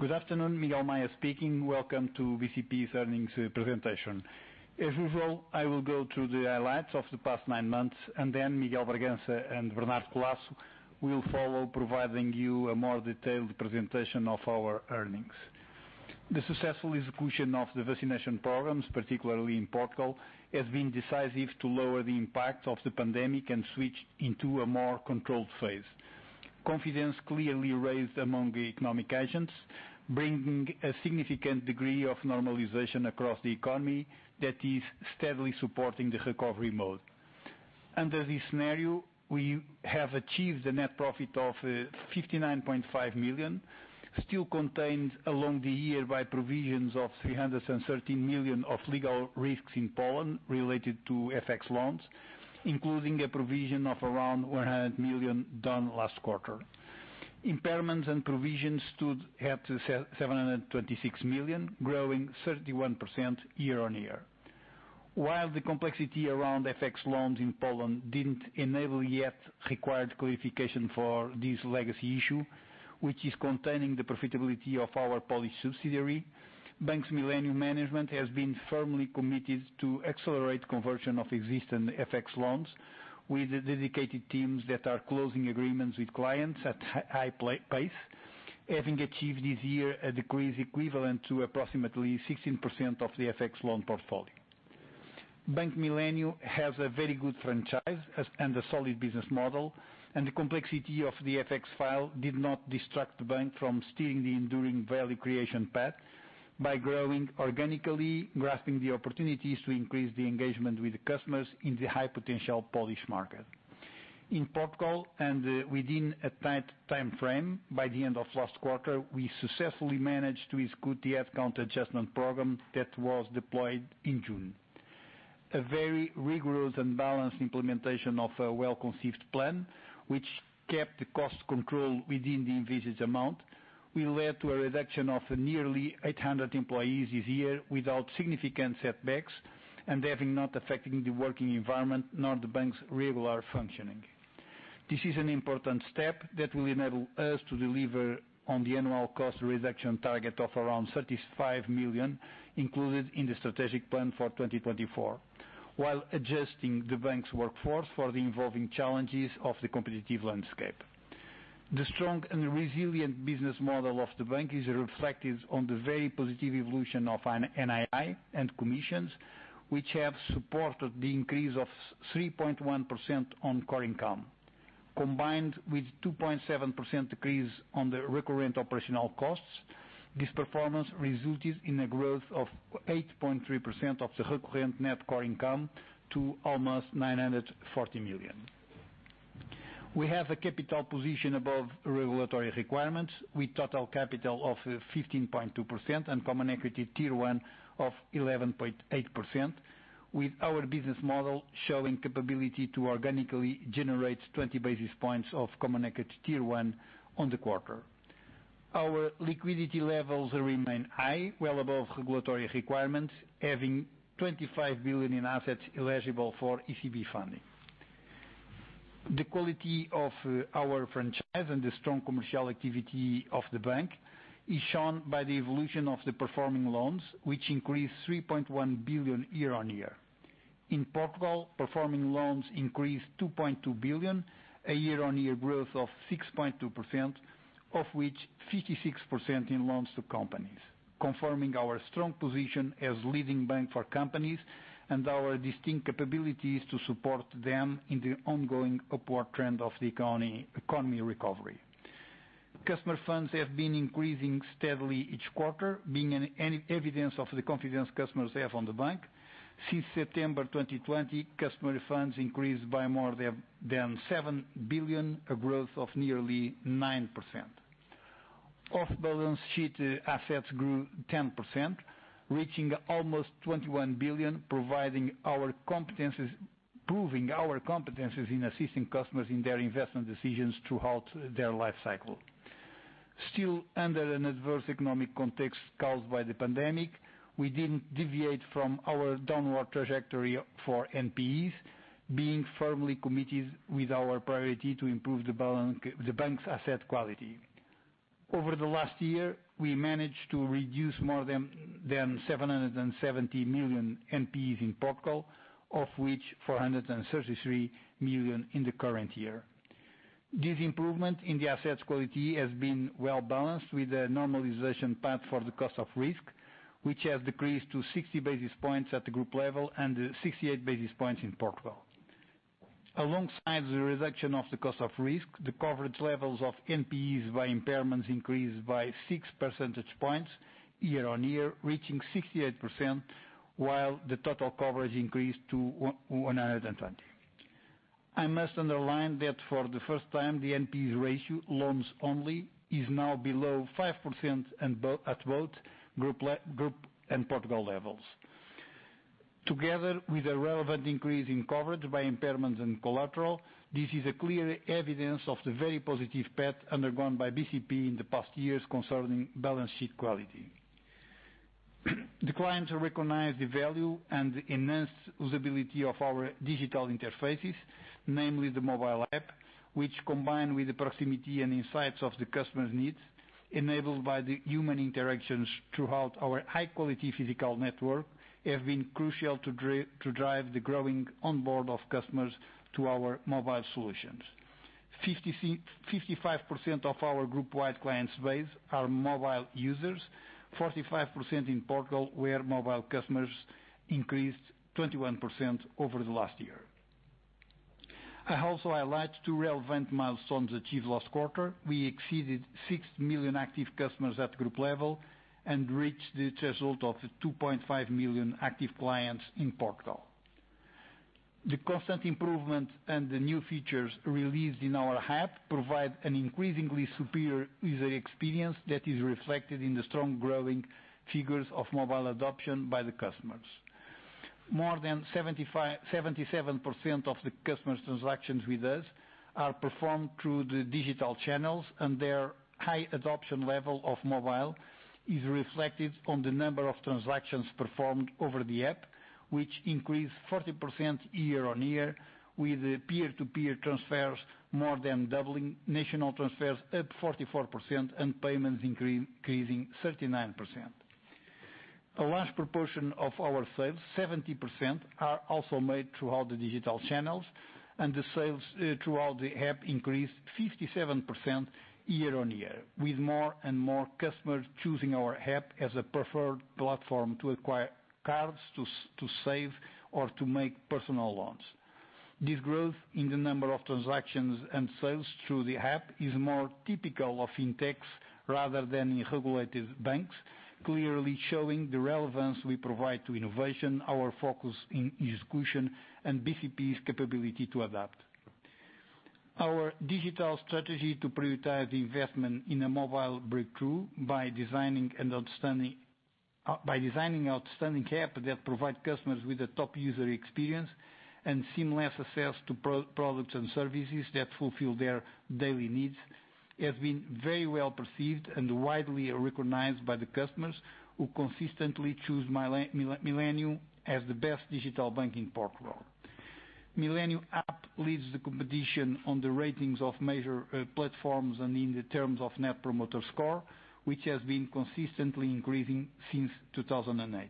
Good afternoon, Miguel Maya speaking. Welcome to BCP's earnings presentation. As usual, I will go through the highlights of the past nine months, and then Miguel Bragança and Bernardo Collaço will follow, providing you a more detailed presentation of our earnings. The successful execution of the vaccination programs, particularly in Portugal, has been decisive to lower the impact of the pandemic and switch into a more controlled phase. Confidence clearly raised among the economic agents, bringing a significant degree of normalization across the economy that is steadily supporting the recovery mode. Under this scenario, we have achieved a net profit of 59.5 million, still contained along the year by provisions of 313 million of legal risks in Poland related to FX loans, including a provision of around 100 million done last quarter. Impairments and provisions stood at 726 million, growing 31% year-on-year. While the complexity around FX loans in Poland didn't enable yet required qualification for this legacy issue, which is constraining the profitability of our Polish subsidiary, Bank Millennium management has been firmly committed to accelerate conversion of existing FX loans with the dedicated teams that are closing agreements with clients at high pace, having achieved this year a decrease equivalent to approximately 16% of the FX loan portfolio. Bank Millennium has a very good franchise and a solid business model, and the complexity of the FX file did not distract the bank from steering the enduring value creation path by growing organically, grasping the opportunities to increase the engagement with the customers in the high-potential Polish market. In Portugal and within a tight timeframe, by the end of last quarter, we successfully managed to execute the headcount adjustment program that was deployed in June. A very rigorous and balanced implementation of a well-conceived plan, which kept the cost control within the envisaged amount, will lead to a reduction of nearly 800 employees this year without significant setbacks and having not affecting the working environment, nor the bank's regular functioning. This is an important step that will enable us to deliver on the annual cost reduction target of around 35 million included in the strategic plan for 2024, while adjusting the bank's workforce for the evolving challenges of the competitive landscape. The strong and resilient business model of the bank is reflected on the very positive evolution of NII and commissions, which have supported the increase of 3.1% on core income. Combined with 2.7% decrease on the recurrent operational costs, this performance resulted in a growth of 8.3% of the recurrent net core income to almost 940 million. We have a capital position above regulatory requirements with total capital of 15.2% and Common Equity Tier 1 of 11.8%, with our business model showing capability to organically generate 20 basis points of Common Equity Tier 1 on the quarter. Our liquidity levels remain high, well above regulatory requirements, having 25 billion in assets eligible for ECB funding. The quality of our franchise and the strong commercial activity of the bank is shown by the evolution of the performing loans, which increased 3.1 billion year-on-year. In Portugal, performing loans increased 2.2 billion, a year-on-year growth of 6.2%, of which 56% in loans to companies, confirming our strong position as leading bank for companies and our distinct capabilities to support them in the ongoing upward trend of the economy, economic recovery. Customer funds have been increasing steadily each quarter, being an evidence of the confidence customers have in the bank. Since September 2020, customer funds increased by more than seven billion, a growth of nearly 9%. Off-balance sheet assets grew 10%, reaching almost 21 billion, proving our competences in assisting customers in their investment decisions throughout their life cycle. Still under an adverse economic context caused by the pandemic, we didn't deviate from our downward trajectory for NPEs, being firmly committed with our priority to improve the bank's asset quality. Over the last year, we managed to reduce more than 770 million NPEs in Portugal, of which 433 million in the current year. This improvement in the asset quality has been well-balanced with the normalization path for the cost of risk, which has decreased to 60 basis points at the group level and 68 basis points in Portugal. Alongside the reduction of the cost of risk, the coverage levels of NPEs by impairments increased by 6 percentage points year-on-year, reaching 68%, while the total coverage increased to 120. I must underline that for the first time, the NPE ratio, loans only, is now below 5% in both group and Portugal levels. Together with a relevant increase in coverage by impairments and collateral, this is a clear evidence of the very positive path undergone by BCP in the past years concerning balance sheet quality. The clients recognize the value and the enhanced usability of our digital interfaces, namely the mobile app, which combined with the proximity and insights of the customer's needs, enabled by the human interactions throughout our high quality physical network, have been crucial to drive the growing onboard of customers to our mobile solutions. 55% of our group-wide client base are mobile users, 45% in Portugal, where mobile customers increased 21% over the last year. I also highlight two relevant milestones achieved last quarter. We exceeded 6 million active customers at group level and reached the result of 2.5 million active clients in Portugal. The constant improvement and the new features released in our app provide an increasingly superior user experience that is reflected in the strong growing figures of mobile adoption by the customers. More than 77% of the customers transactions with us are performed through the digital channels, and their high adoption level of mobile is reflected on the number of transactions performed over the app, which increased 40% year-on-year with the peer to peer transfers more than doubling, national transfers up 44% and payments increasing 39%. A large proportion of our sales, 70%, are also made throughout the digital channels, and the sales throughout the app increased 57% year-on-year with more and more customers choosing our app as a preferred platform to acquire cards, to save or to make personal loans. This growth in the number of transactions and sales through the app is more typical of FinTechs rather than in regulated banks, clearly showing the relevance we provide to innovation, our focus in execution and BCP's capability to adapt. Our digital strategy to prioritize investment in a mobile breakthrough by designing outstanding app that provide customers with a top user experience and seamless access to products and services that fulfill their daily needs, has been very well perceived and widely recognized by the customers who consistently choose Millennium as the best digital bank in Portugal. Millennium app leads the competition on the ratings of major platforms and in the terms of Net Promoter Score, which has been consistently increasing since 2018.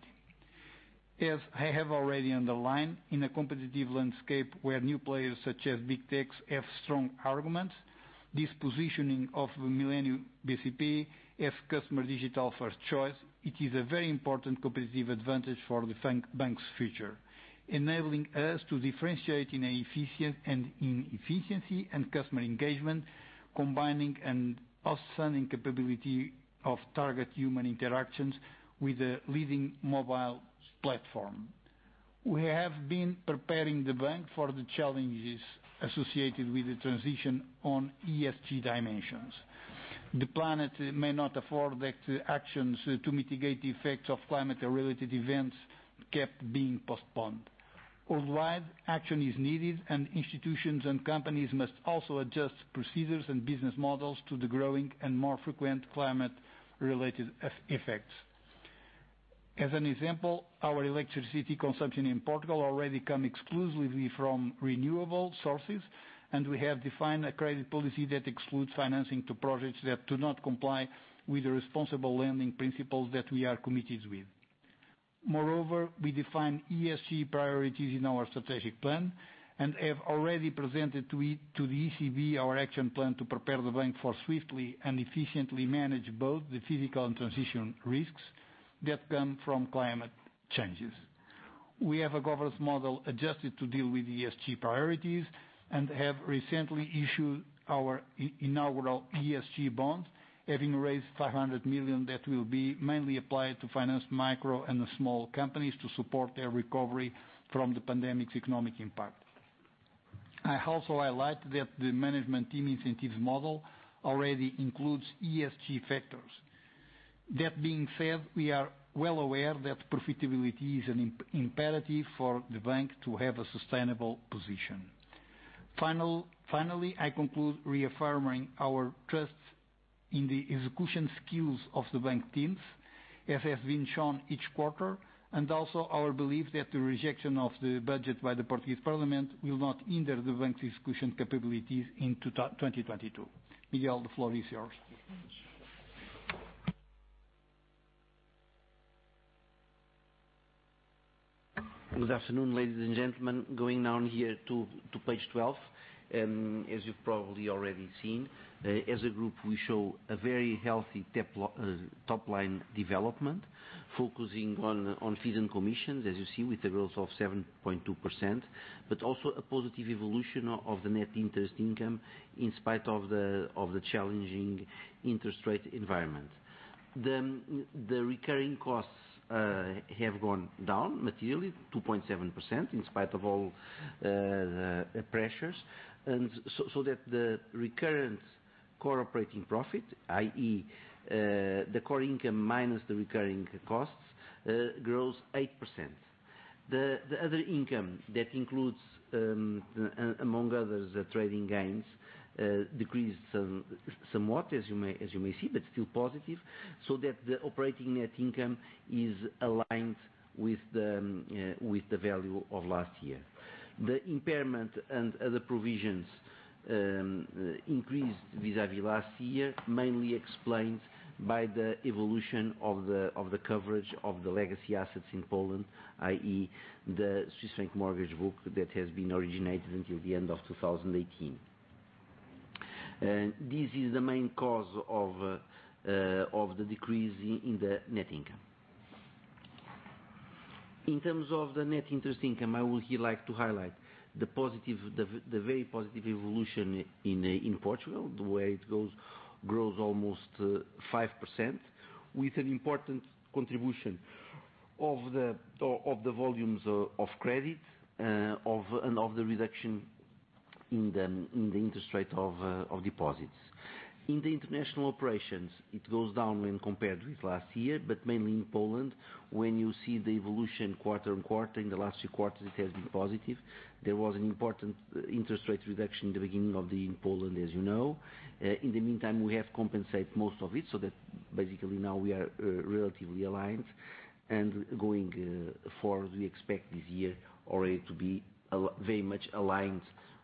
As I have already underlined, in a competitive landscape where new players such as big techs have strong arguments, this positioning of Millennium bcp as customer digital first choice, it is a very important competitive advantage for the bank's future, enabling us to differentiate in an efficient, and in efficiency and customer engagement, combining an outstanding capability of target human interactions with a leading mobile platform. We have been preparing the bank for the challenges associated with the transition on ESG dimensions. The planet may not afford the actions to mitigate the effects of climate-related events kept being postponed. Worldwide action is needed. Institutions and companies must also adjust procedures and business models to the growing and more frequent climate-related effects. As an example, our electricity consumption in Portugal already come exclusively from renewable sources, and we have defined a credit policy that excludes financing to projects that do not comply with the responsible lending principles that we are committed with. Moreover, we define ESG priorities in our strategic plan and have already presented to the ECB our action plan to prepare the bank for swiftly and efficiently manage both the physical and transition risks that come from climate changes. We have a governance model adjusted to deal with ESG priorities and have recently issued our inaugural ESG bonds, having raised 500 million that will be mainly applied to finance micro and the small companies to support their recovery from the pandemic's economic impact. I also highlight that the management team incentives model already includes ESG factors. That being said, we are well aware that profitability is an imperative for the bank to have a sustainable position. Finally, I conclude reaffirming our trust in the execution skills of the bank teams, as has been shown each quarter, and also our belief that the rejection of the budget by the Portuguese Parliament will not hinder the bank's execution capabilities in 2022. Miguel, the floor is yours. Good afternoon, ladies and gentlemen. Going down here to page 12, as you've probably already seen, as a group, we show a very healthy top line development focusing on fees and commissions, as you see with the growth of 7.2%, but also a positive evolution of the net interest income in spite of the challenging interest rate environment. The recurring costs have gone down materially 2.7% in spite of all the pressures. Recurrent core operating profit, i.e., the core income minus the recurring costs, grows 8%. The other income that includes, among others, the trading gains, decreased somewhat as you may see, but still positive, so that the operating net income is aligned with the value of last year. The impairment and other provisions increased vis-a-vis last year, mainly explained by the evolution of the coverage of the legacy assets in Poland, i.e. the Swiss franc mortgage book that has been originated until the end of 2018. This is the main cause of the decrease in the net income. In terms of the net interest income, I would here like to highlight the very positive evolution in Portugal, how it grows almost 5% with an important contribution of the volumes of credit and of the reduction in the interest rate of deposits. In the international operations, it goes down when compared with last year, but mainly in Poland. When you see the evolution quarter-on-quarter, in the last few quarters it has been positive. There was an important interest rate reduction in the beginning of the year in Poland, as you know. In the meantime, we have compensated most of it, so that basically now we are relatively aligned. Going forward, we expect this year already to be very much aligned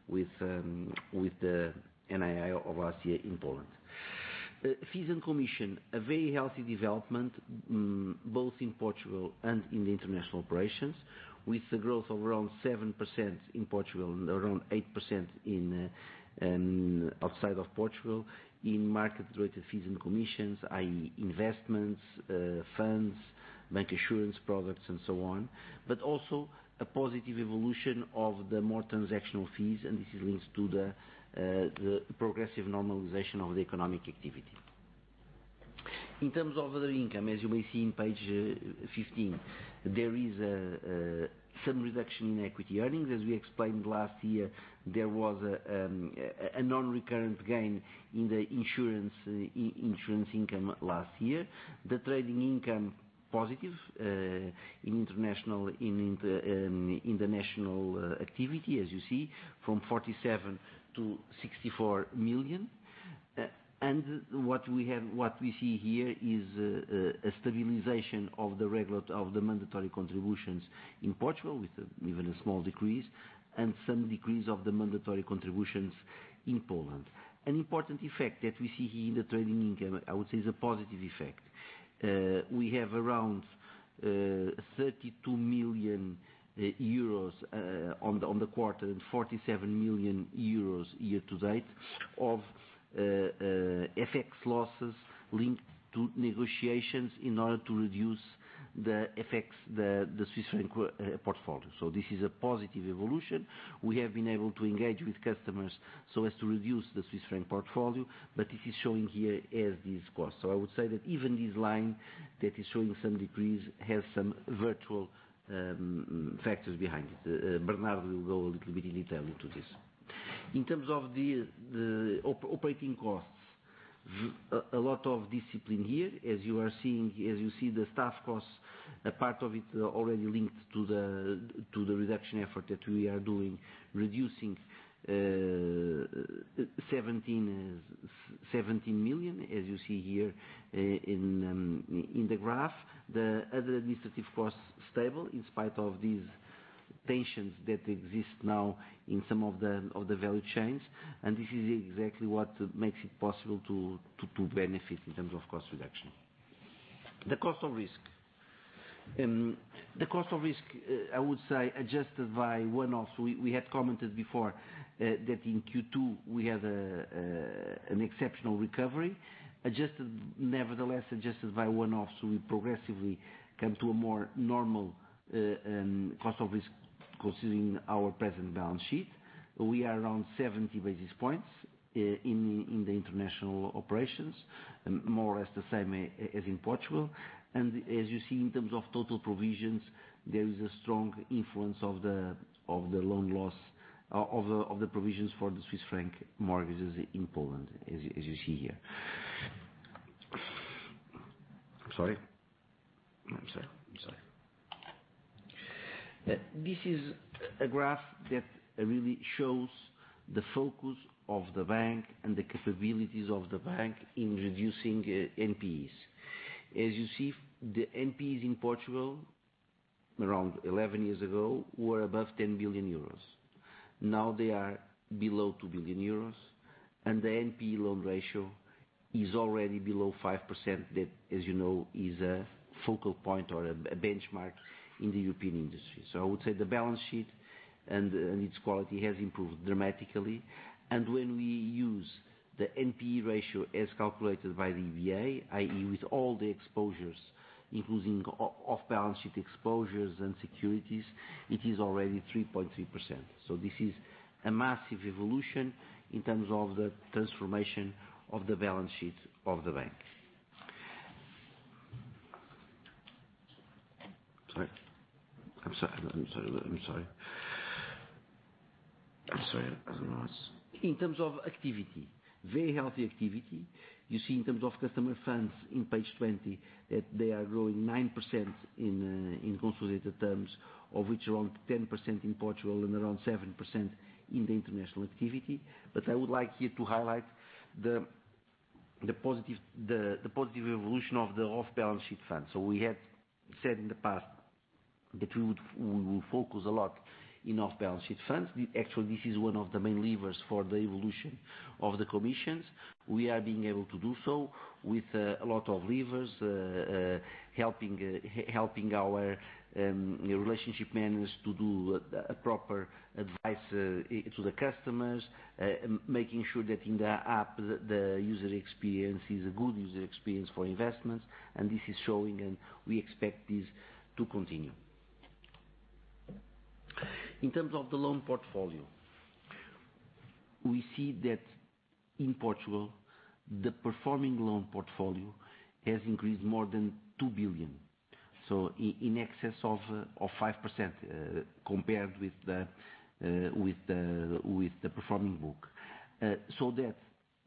with the NII of last year in Poland. Fees and commissions, a very healthy development, both in Portugal and in the international operations, with the growth of around 7% in Portugal and around 8% outside of Portugal, in market-related fees and commissions, i.e. investments, funds, bancassurance products, and so on. Also a positive evolution of the more transactional fees, and this is linked to the progressive normalization of the economic activity. In terms of other income, as you may see in page 15, there is some reduction in equity earnings. As we explained last year, there was a non-recurrent gain in the insurance income last year. The trading income positive in international and national activity, as you see, from 47 million to 64 million. What we see here is a stabilization of the regular mandatory contributions in Portugal with even a small decrease and some decrease of the mandatory contributions in Poland. An important effect that we see here in the trading income, I would say, is a positive effect. We have around 32 million euros on the quarter and 47 million euros year to date of FX losses linked to negotiations in order to reduce the FX, the Swiss franc portfolio. This is a positive evolution. We have been able to engage with customers so as to reduce the Swiss franc portfolio, but it is showing here as this cost. I would say that even this line that is showing some decrease has some virtuous factors behind it. Bernardo will go a little bit in detail into this. In terms of the operating costs, with a lot of discipline here. As you see the staff costs, a part of it already linked to the reduction effort that we are doing, reducing 17 million, as you see here in the graph. The other administrative costs stable in spite of these tensions that exist now in some of the value chains, and this is exactly what makes it possible to benefit in terms of cost reduction. The cost of risk. The cost of risk, I would say adjusted by one-offs. We had commented before that in Q2 we had an exceptional recovery. Adjusted by one-offs, nevertheless, we progressively come to a more normal cost of risk considering our present balance sheet. We are around 70 basis points in the international operations, more or less the same as in Portugal. As you see, in terms of total provisions, there is a strong influence of the loan loss provisions for the Swiss franc mortgages in Poland, as you see here. Sorry. This is a graph that really shows the focus of the bank and the capabilities of the bank in reducing NPEs. As you see, the NPEs in Portugal around 11 years ago were above 10 billion euros. Now they are below 2 billion euros, and the NPE loan ratio is already below 5%. That, as you know, is a focal point or a benchmark in the European industry. I would say the balance sheet and its quality has improved dramatically. When we use the NPE ratio as calculated by the EBA, i.e., with all the exposures, including off-balance sheet exposures and securities, it is already 3.3%. This is a massive evolution in terms of the transformation of the balance sheet of the bank. Sorry. I'm sorry. In terms of activity, very healthy activity. You see in terms of customer funds on page 20, that they are growing 9% in consolidated terms, of which around 10% in Portugal and around 7% in the international activity. I would like here to highlight the positive evolution of the off-balance sheet funds. We had said in the past that we will focus a lot in off-balance sheet funds. Actually, this is one of the main levers for the evolution of the commissions. We are being able to do so with a lot of levers, helping our relationship managers to do a proper advice to the customers. Making sure that in the app, the user experience is a good user experience for investments, and this is showing and we expect this to continue. In terms of the loan portfolio, we see that in Portugal, the performing loan portfolio has increased more than 2 billion. In excess of 5%, compared with the performing book.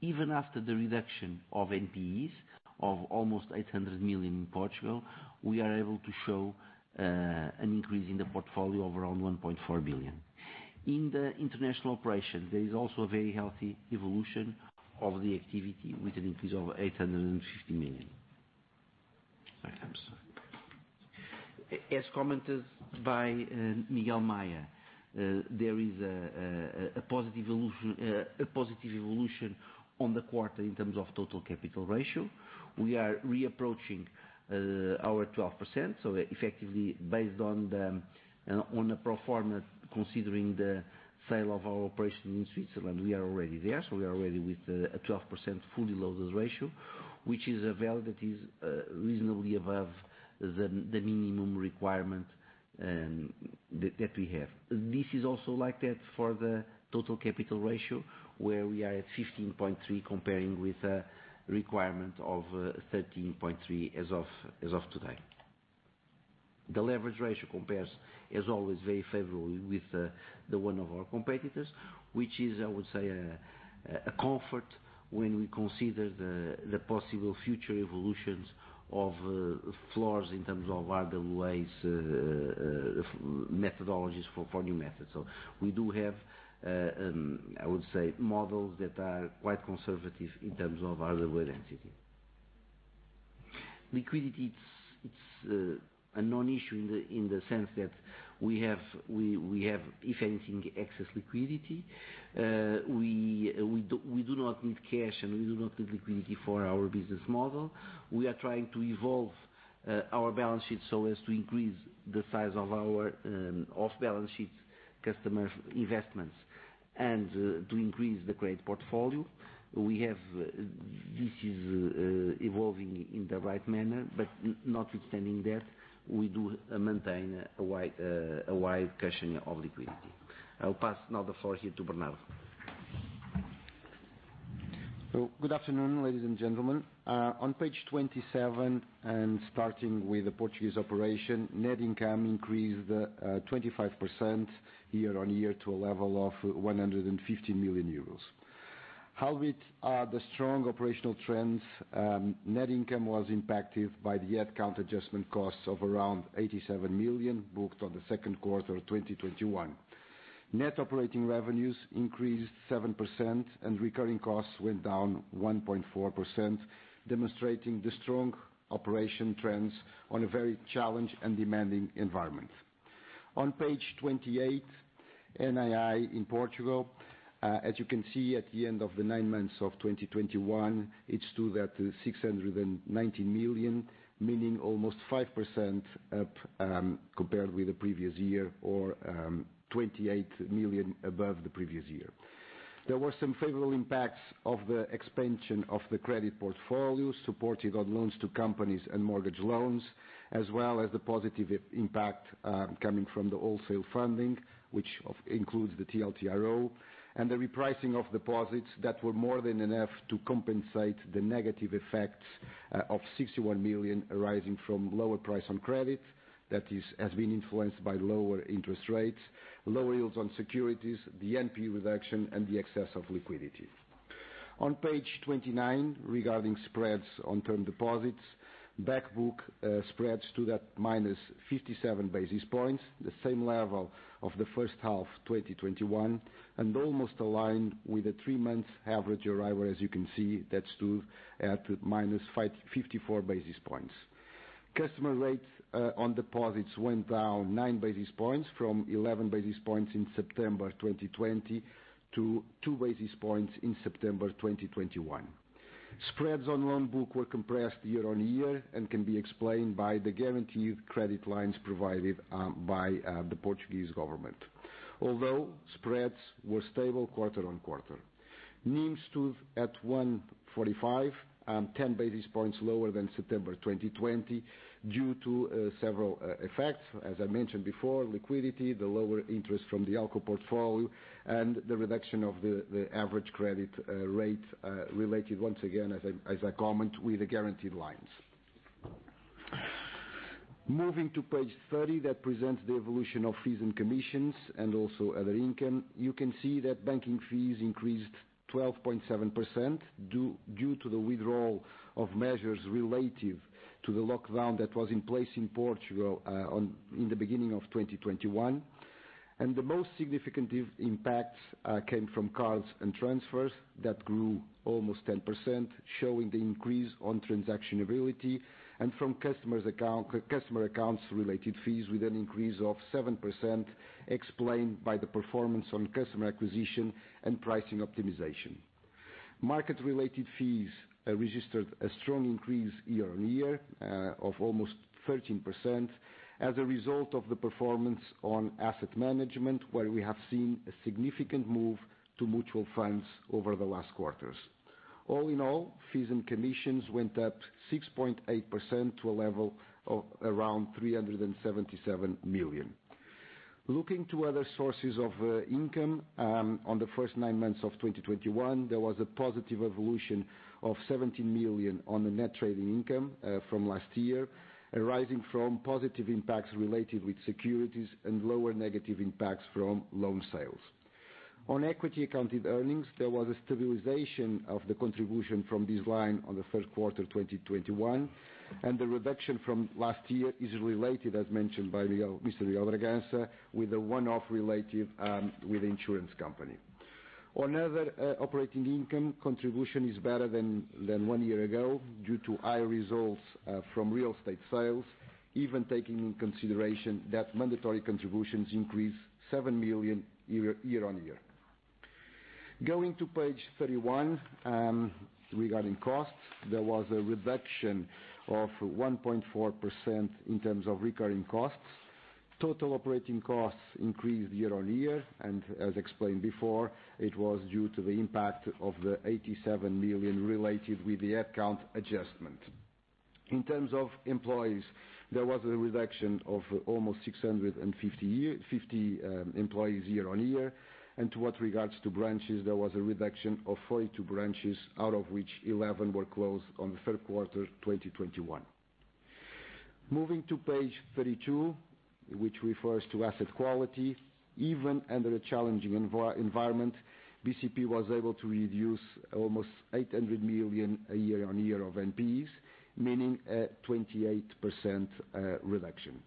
Even after the reduction of NPEs of almost 800 million in Portugal, we are able to show an increase in the portfolio of around 1.4 billion. In the international operation, there is also a very healthy evolution of the activity with an increase of 850 million. Sorry, I'm sorry. As commented by Miguel Maya, there is a positive evolution on the quarter in terms of total capital ratio. We are re-approaching our 12%, so effectively based on the pro forma, considering the sale of our operation in Switzerland, we are already there. We are already with a 12% fully loaded ratio. Which is a value that is reasonably above the minimum requirement that we have. This is also like that for the total capital ratio, where we are at 15.3 comparing with a requirement of 13.3 as of today. The leverage ratio compares, as always, very favorably with the one of our competitors, which is, I would say, a comfort when we consider the possible future evolutions of floors in terms of RWAs methodologies for new methods. We do have models that are quite conservative in terms of RWA density. Liquidity, it's a non-issue in the sense that we have, if anything, excess liquidity. We do not need cash and we do not need liquidity for our business model. We are trying to evolve our balance sheet so as to increase the size of our off-balance sheet customers investments, and to increase the credit portfolio. We have. This is evolving in the right manner, but notwithstanding that, we do maintain a wide cushion of liquidity. I'll pass now the floor here to Bernardo. Good afternoon, ladies and gentlemen. On page 27, starting with the Portuguese operation, net income increased 25% year-on-year to a level of 150 million euros. However, the strong operational trends, net income was impacted by the head count adjustment costs of around 87 million booked in the second quarter of 2021. Net operating revenues increased 7% and recurring costs went down 1.4%, demonstrating the strong operational trends in a very challenged and demanding environment. On page 28, NII in Portugal, as you can see at the end of the 9 months of 2021, it stood at 690 million, meaning almost 5% up compared with the previous year or 28 million above the previous year. There were some favorable impacts of the expansion of the credit portfolio, supported on loans to companies and mortgage loans, as well as the positive impact coming from the wholesale funding, which includes the TLTRO, and the repricing of deposits that were more than enough to compensate the negative effects of 61 million arising from lower price on credit. That has been influenced by lower interest rates, lower yields on securities, the NPE reduction, and the excess of liquidity. On page 29, regarding spreads on term deposits. Back book spreads to Euribor minus 57 basis points, the same level of the first half 2021, and almost aligned with the three-month Euribor, as you can see, that stood at minus 54 basis points. Customer rates on deposits went down 9 basis points from 11 basis points in September 2020 to 2 basis points in September 2021. Spreads on loan book were compressed year-on-year and can be explained by the guaranteed credit lines provided by the Portuguese government. Although spreads were stable quarter-on-quarter. Means stood at 145, 10 basis points lower than September 2020 due to several effects. As I mentioned before, liquidity, the lower interest from the ALCO portfolio, and the reduction of the average credit rate related once again, as I comment, with the guaranteed lines. Moving to page 30, that presents the evolution of fees and commissions and also other income. You can see that banking fees increased 12.7% due to the withdrawal of measures relative to the lockdown that was in place in Portugal in the beginning of 2021. The most significant impact came from cards and transfers that grew almost 10%, showing the increase on transactional activity and from customer accounts related fees with an increase of 7% explained by the performance on customer acquisition and pricing optimization. Market related fees registered a strong increase year-on-year of almost 13% as a result of the performance on asset management, where we have seen a significant move to mutual funds over the last quarters. All in all, fees and commissions went up 6.8% to a level of around 377 million. Looking to other sources of income, in the first nine months of 2021, there was a positive evolution of 70 million on the net trading income from last year, arising from positive impacts related with securities and lower negative impacts from loan sales. On equity accounted earnings, there was a stabilization of the contribution from this line in the first quarter 2021, and the reduction from last year is related, as mentioned by Leo, Mr. Miguel Bragança, with the one-off relative with insurance company. On other operating income, contribution is better than one year ago due to higher results from real estate sales, even taking into consideration that mandatory contributions increased 7 million year on year. Going to page 31, regarding costs. There was a reduction of 1.4% in terms of recurring costs. Total operating costs increased year-on-year, and as explained before, it was due to the impact of 87 million related with the account adjustment. In terms of employees, there was a reduction of almost 650 employees year-on-year and as regards to branches, there was a reduction of 42 branches out of which 11 were closed in the third quarter 2021. Moving to page 32, which refers to asset quality. Even under a challenging environment, BCP was able to reduce almost 800 million year-on-year of NPEs, meaning a 28% reduction.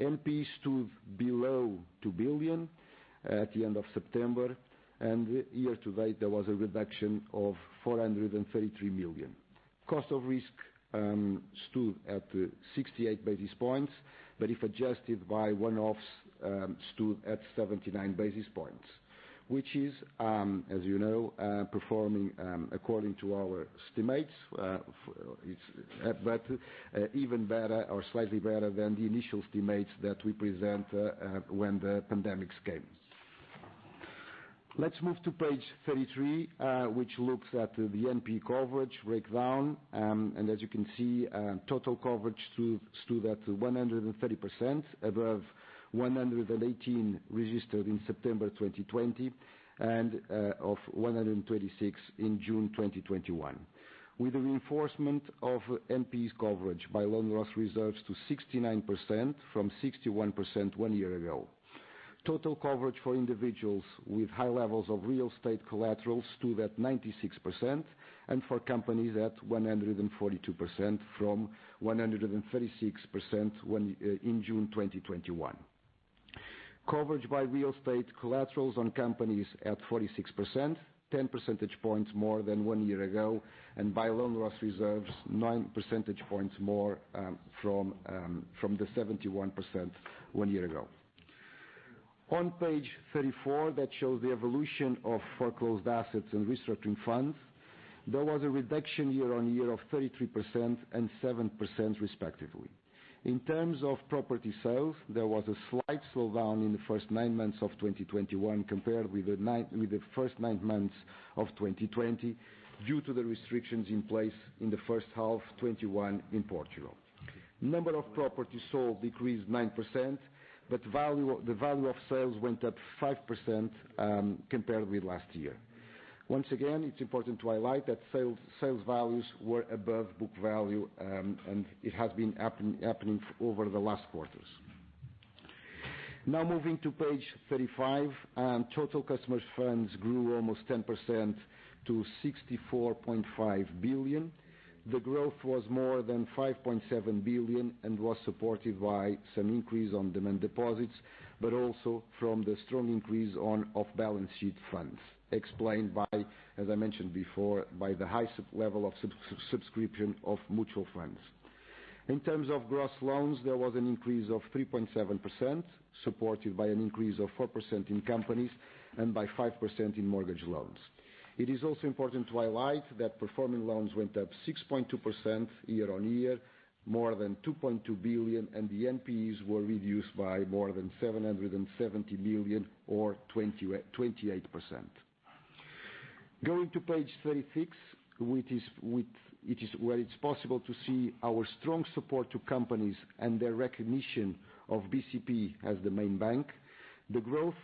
NPEs stood below 2 billion at the end of September, and year to date, there was a reduction of 433 million. Cost of risk stood at 68 basis points, but if adjusted by one-offs stood at 79 basis points, which is, as you know, performing according to our estimates. It's better, even better or slightly better than the initial estimates that we present when the pandemic came. Let's move to page 33, which looks at the NPE coverage breakdown. As you can see, total coverage stood at 130% above 118 registered in September 2020 and of 126 in June 2021. With a reinforcement of NPEs coverage by loan loss reserves to 69% from 61% one year ago. Total coverage for individuals with high levels of real estate collateral stood at 96% and for companies at 142% from 136% when in June 2021. Coverage by real estate collaterals on companies at 46%, 10 percentage points more than one year ago, and by loan loss reserves, 9 percentage points more from the 71% one year ago. On page 34, that shows the evolution of foreclosed assets and restructuring funds. There was a reduction year-on-year of 33% and 7% respectively. In terms of property sales, there was a slight slowdown in the first nine months of 2021 compared with the first nine months of 2020 due to the restrictions in place in the first half of 2021 in Portugal. Number of properties sold decreased 9%, but value of sales went up 5%, compared with last year. Once again, it's important to highlight that sales values were above book value, and it has been happening over the last quarters. Now moving to page 35. Total customers funds grew almost 10% to 64.5 billion. The growth was more than 5.7 billion and was supported by some increase in demand deposits, but also from the strong increase in off-balance sheet funds, explained by, as I mentioned before, by the high level of subscription of mutual funds. In terms of gross loans, there was an increase of 3.7%, supported by an increase of 4% in companies and by 5% in mortgage loans. It is also important to highlight that performing loans went up 6.2% year-on-year, more than 2.2 billion, and the NPEs were reduced by more than 770 million or 28%. Going to page 36, which is where it is possible to see our strong support to companies and their recognition of BCP as the main bank. The growth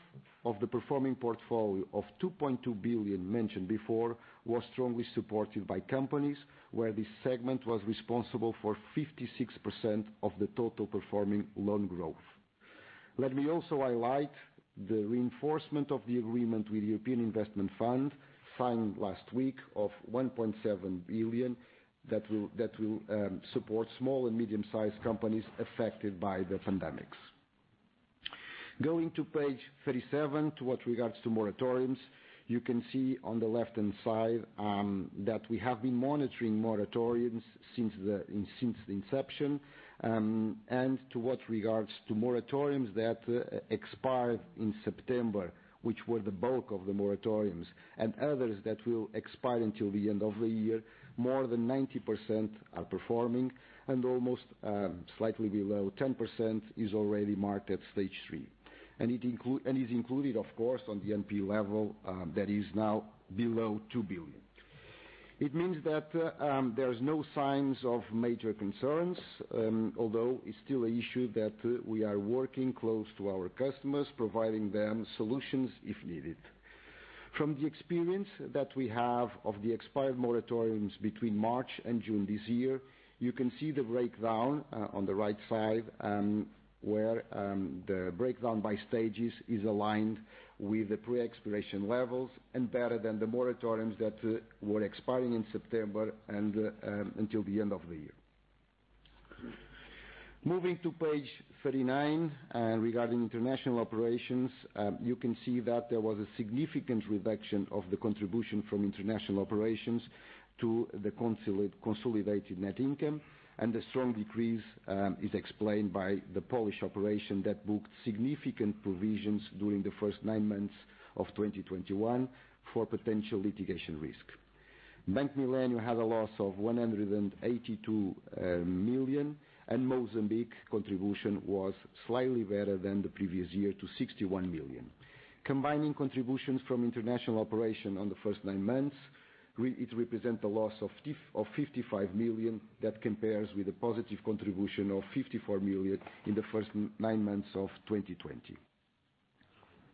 of the performing portfolio of 2.2 billion mentioned before was strongly supported by companies, where this segment was responsible for 56% of the total performing loan growth. Let me also highlight the reinforcement of the agreement with European Investment Fund, signed last week of 1.7 billion that will support small and medium-sized companies affected by the pandemic. Going to page 37, to what regards to moratoriums, you can see on the left-hand side, that we have been monitoring moratoriums since the inception. To what regards to moratoriums that expired in September, which were the bulk of the moratoriums, and others that will expire until the end of the year, more than 90% are performing and almost slightly below 10% is already marked at Stage 3. It is included, of course, on the NP level, that is now below 2 billion. It means that, there's no signs of major concerns, although it's still an issue that we are working close to our customers, providing them solutions if needed. From the experience that we have of the expired moratoriums between March and June this year, you can see the breakdown on the right side, where the breakdown by stages is aligned with the pre-expiration levels and better than the moratoriums that were expiring in September and until the end of the year. Moving to page 39 regarding international operations, you can see that there was a significant reduction of the contribution from international operations to the consolidated net income. The strong decrease is explained by the Polish operation that booked significant provisions during the first nine months of 2021 for potential litigation risk. Bank Millennium had a loss of 182 million, and Mozambique contribution was slightly better than the previous year to 61 million. Combining contributions from international operations in the first 9 months, it represents the loss of 55 million that compares with a positive contribution of 54 million in the first 9 months of 2020.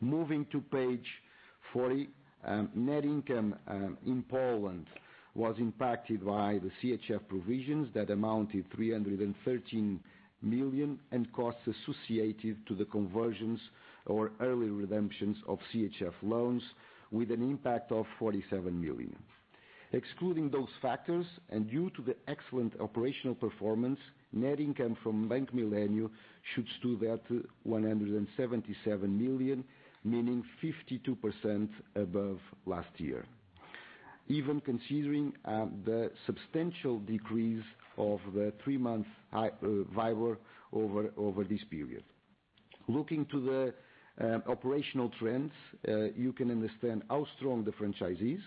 Moving to page 40, net income in Poland was impacted by the CHF provisions that amounted to 313 million, and costs associated to the conversions or early redemptions of CHF loans with an impact of 47 million. Excluding those factors and due to the excellent operational performance, net income from Bank Millennium should have stood at 177 million, meaning 52% above last year. Even considering the substantial decrease of the three-month WIBOR over this period. Looking at the operational trends, you can understand how strong the franchise is.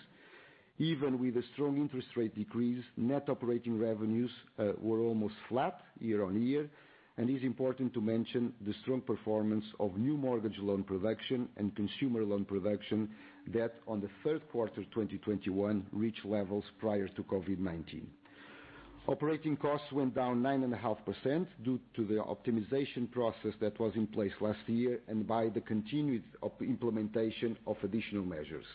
Even with a strong interest rate decrease, net operating revenues were almost flat year-on-year. It's important to mention the strong performance of new mortgage loan production and consumer loan production that in the third quarter 2021 reached levels prior to COVID-19. Operating costs went down 9.5% due to the optimization process that was in place last year and by the continued implementation of additional measures.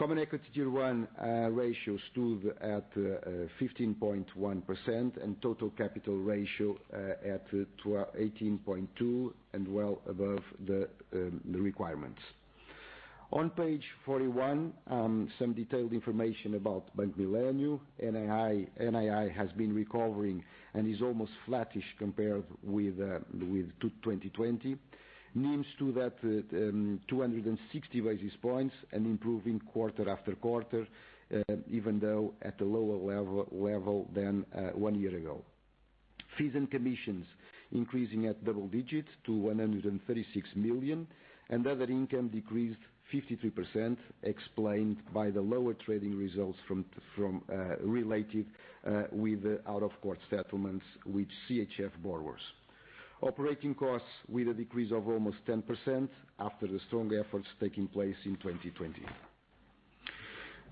Common Equity Tier 1 ratio stood at 15.1% and total capital ratio at 18.2% and well above the requirements. On page 41, some detailed information about Bank Millennium. NII has been recovering and is almost flattish compared with 2020. Meaning that, 260 basis points an improvement quarter after quarter, even though at a lower level than one year ago. Fees and commissions increasing at double digits to 136 million, and other income decreased 53% explained by the lower trading results from related with the out-of-court settlements with CHF borrowers. Operating costs with a decrease of almost 10% after the strong efforts taking place in 2020.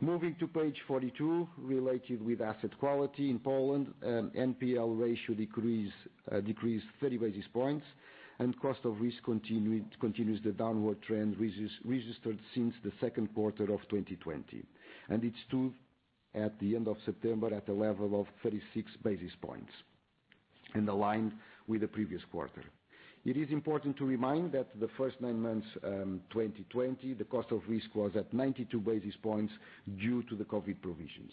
Moving to page 42, related with asset quality in Poland, NPL ratio decreased 30 basis points, and cost of risk continues the downward trend registered since the second quarter of 2020. It stood at the end of September at a level of 36 basis points and aligned with the previous quarter. It is important to remind that the first nine months of 2020, the cost of risk was at 92 basis points due to the COVID provisions.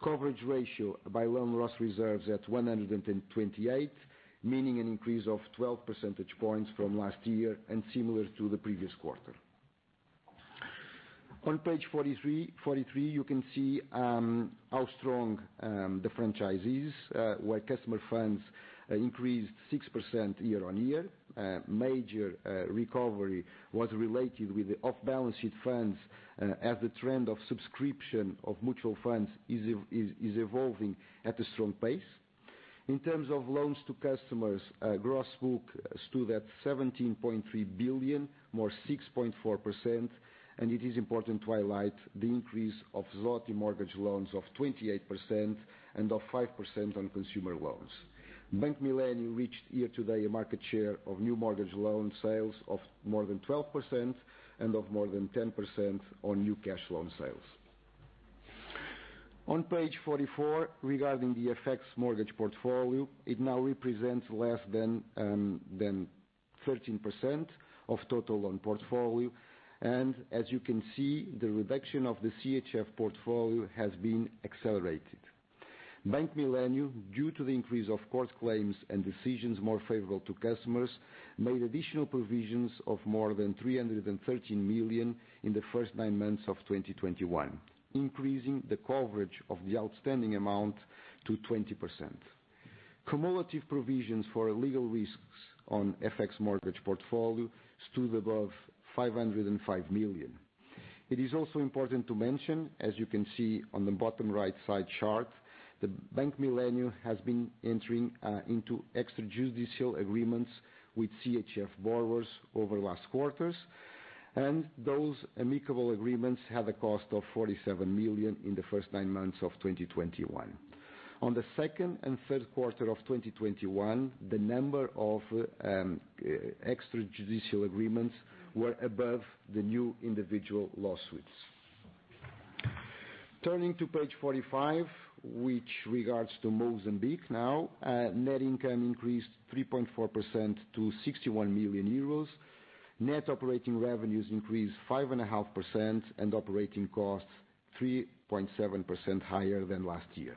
The coverage ratio by loan loss reserves at 128, meaning an increase of 12 percentage points from last year and similar to the previous quarter. On page 43, you can see how strong the franchise is, where customer funds increased 6% year-over-year. The major recovery was related with the off-balance sheet funds, as the trend of subscription of mutual funds is evolving at a strong pace. In terms of loans to customers, the gross book stood at 17.3 billion, more 6.4%, and it is important to highlight the increase of zloty mortgage loans of 28% and of 5% on consumer loans. Bank Millennium reached year to date a market share of new mortgage loan sales of more than 12% and of more than 10% on new cash loan sales. On page 44, regarding the FX mortgage portfolio, it now represents less than than 13% of total loan portfolio. As you can see, the reduction of the CHF portfolio has been accelerated. Bank Millennium, due to the increase of court claims and decisions more favorable to customers, made additional provisions of more than 313 million in the first nine months of 2021, increasing the coverage of the outstanding amount to 20%. Cumulative provisions for legal risks on FX mortgage portfolio stood above 505 million. It is also important to mention, as you can see on the bottom right side chart, that Bank Millennium has been entering into extra-judicial agreements with CHF borrowers over last quarters, and those amicable agreements had a cost of 47 million in the first nine months of 2021. On the second and third quarter of 2021, the number of extra-judicial agreements were above the new individual lawsuits. Turning to page 45, which regards to Mozambique now. Net income increased 3.4% to 61 million euros. Net operating revenues increased 5.5%, and operating costs 3.7% higher than last year.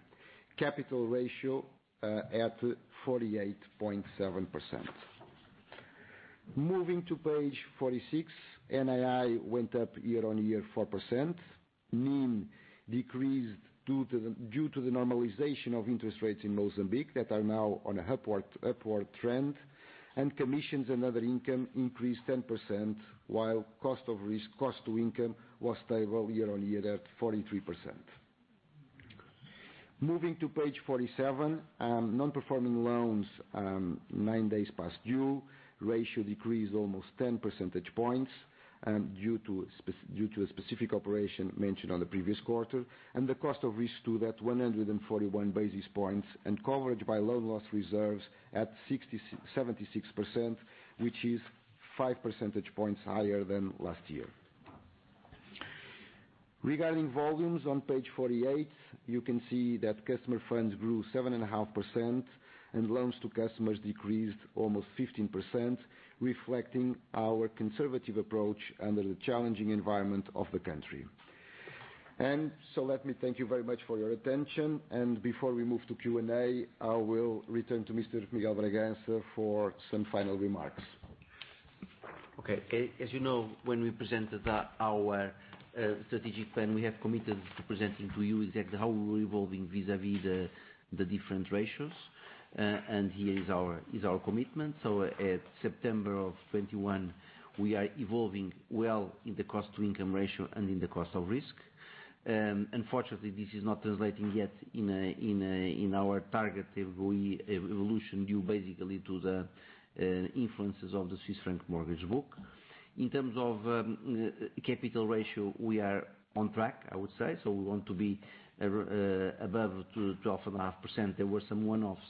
Capital ratio at 48.7%. Moving to page 46, NII went up year-on-year 4%. NIM decreased due to the normalization of interest rates in Mozambique that are now on an upward trend. Commissions and other income increased 10%, while cost of risk, cost to income was stable year on year at 43%. Moving to page 47, non-performing loans, 9 days past due ratio decreased almost 10 percentage points, due to a specific operation mentioned on the previous quarter, and the cost of risk stood at 141 basis points, and coverage by loan loss reserves at 76%, which is 5 percentage points higher than last year. Regarding volumes, on page 48, you can see that customer funds grew 7.5%, and loans to customers decreased almost 15%, reflecting our conservative approach under the challenging environment of the country. Let me thank you very much for your attention. Before we move to Q&A, I will return to Mr. Miguel Bragança for some final remarks. As you know, when we presented our strategic plan, we have committed to presenting to you exactly how we're evolving vis-à-vis the different ratios. Here is our commitment. At September 2021, we are evolving well in the cost to income ratio and in the cost of risk. Unfortunately, this is not translating yet in our target evolution, due basically to the influences of the Swiss franc mortgage book. In terms of capital ratio, we are on track, I would say. We want to be above 12.5%. There were some one-offs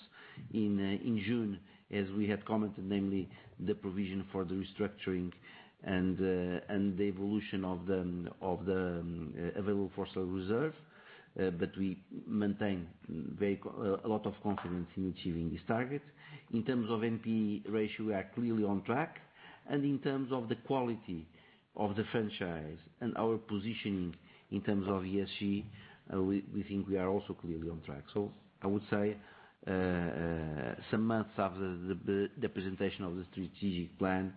in June, as we had commented, namely the provision for the restructuring and the evolution of the available-for-sale reserve. We maintain a lot of confidence in achieving this target. In terms of NP ratio, we are clearly on track. In terms of the quality of the franchise and our positioning in terms of ESG, we think we are also clearly on track. I would say, some months after the presentation of the strategic plan,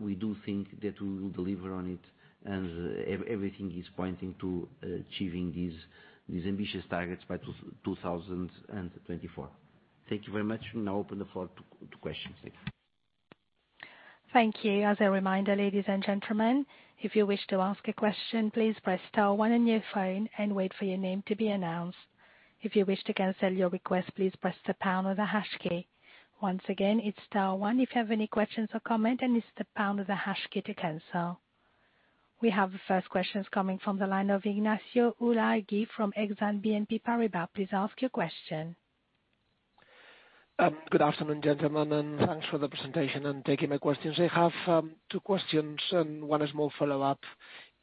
we do think that we will deliver on it. Everything is pointing to achieving these ambitious targets by 2024. Thank you very much. We now open the floor to questions. Thank you. As a reminder, ladies and gentlemen, if you wish to ask a question, please press star one on your phone and wait for your name to be announced. If you wish to cancel your request, please press the pound or the hash key. Once again, it's star one if you have any questions or comment, and it's the pound or the hash key to cancel. We have the first questions coming from the line of Ignacio Ulargui from Exane BNP Paribas. Please ask your question. Good afternoon, gentlemen, and thanks for the presentation and taking my questions. I have two questions and one small follow-up,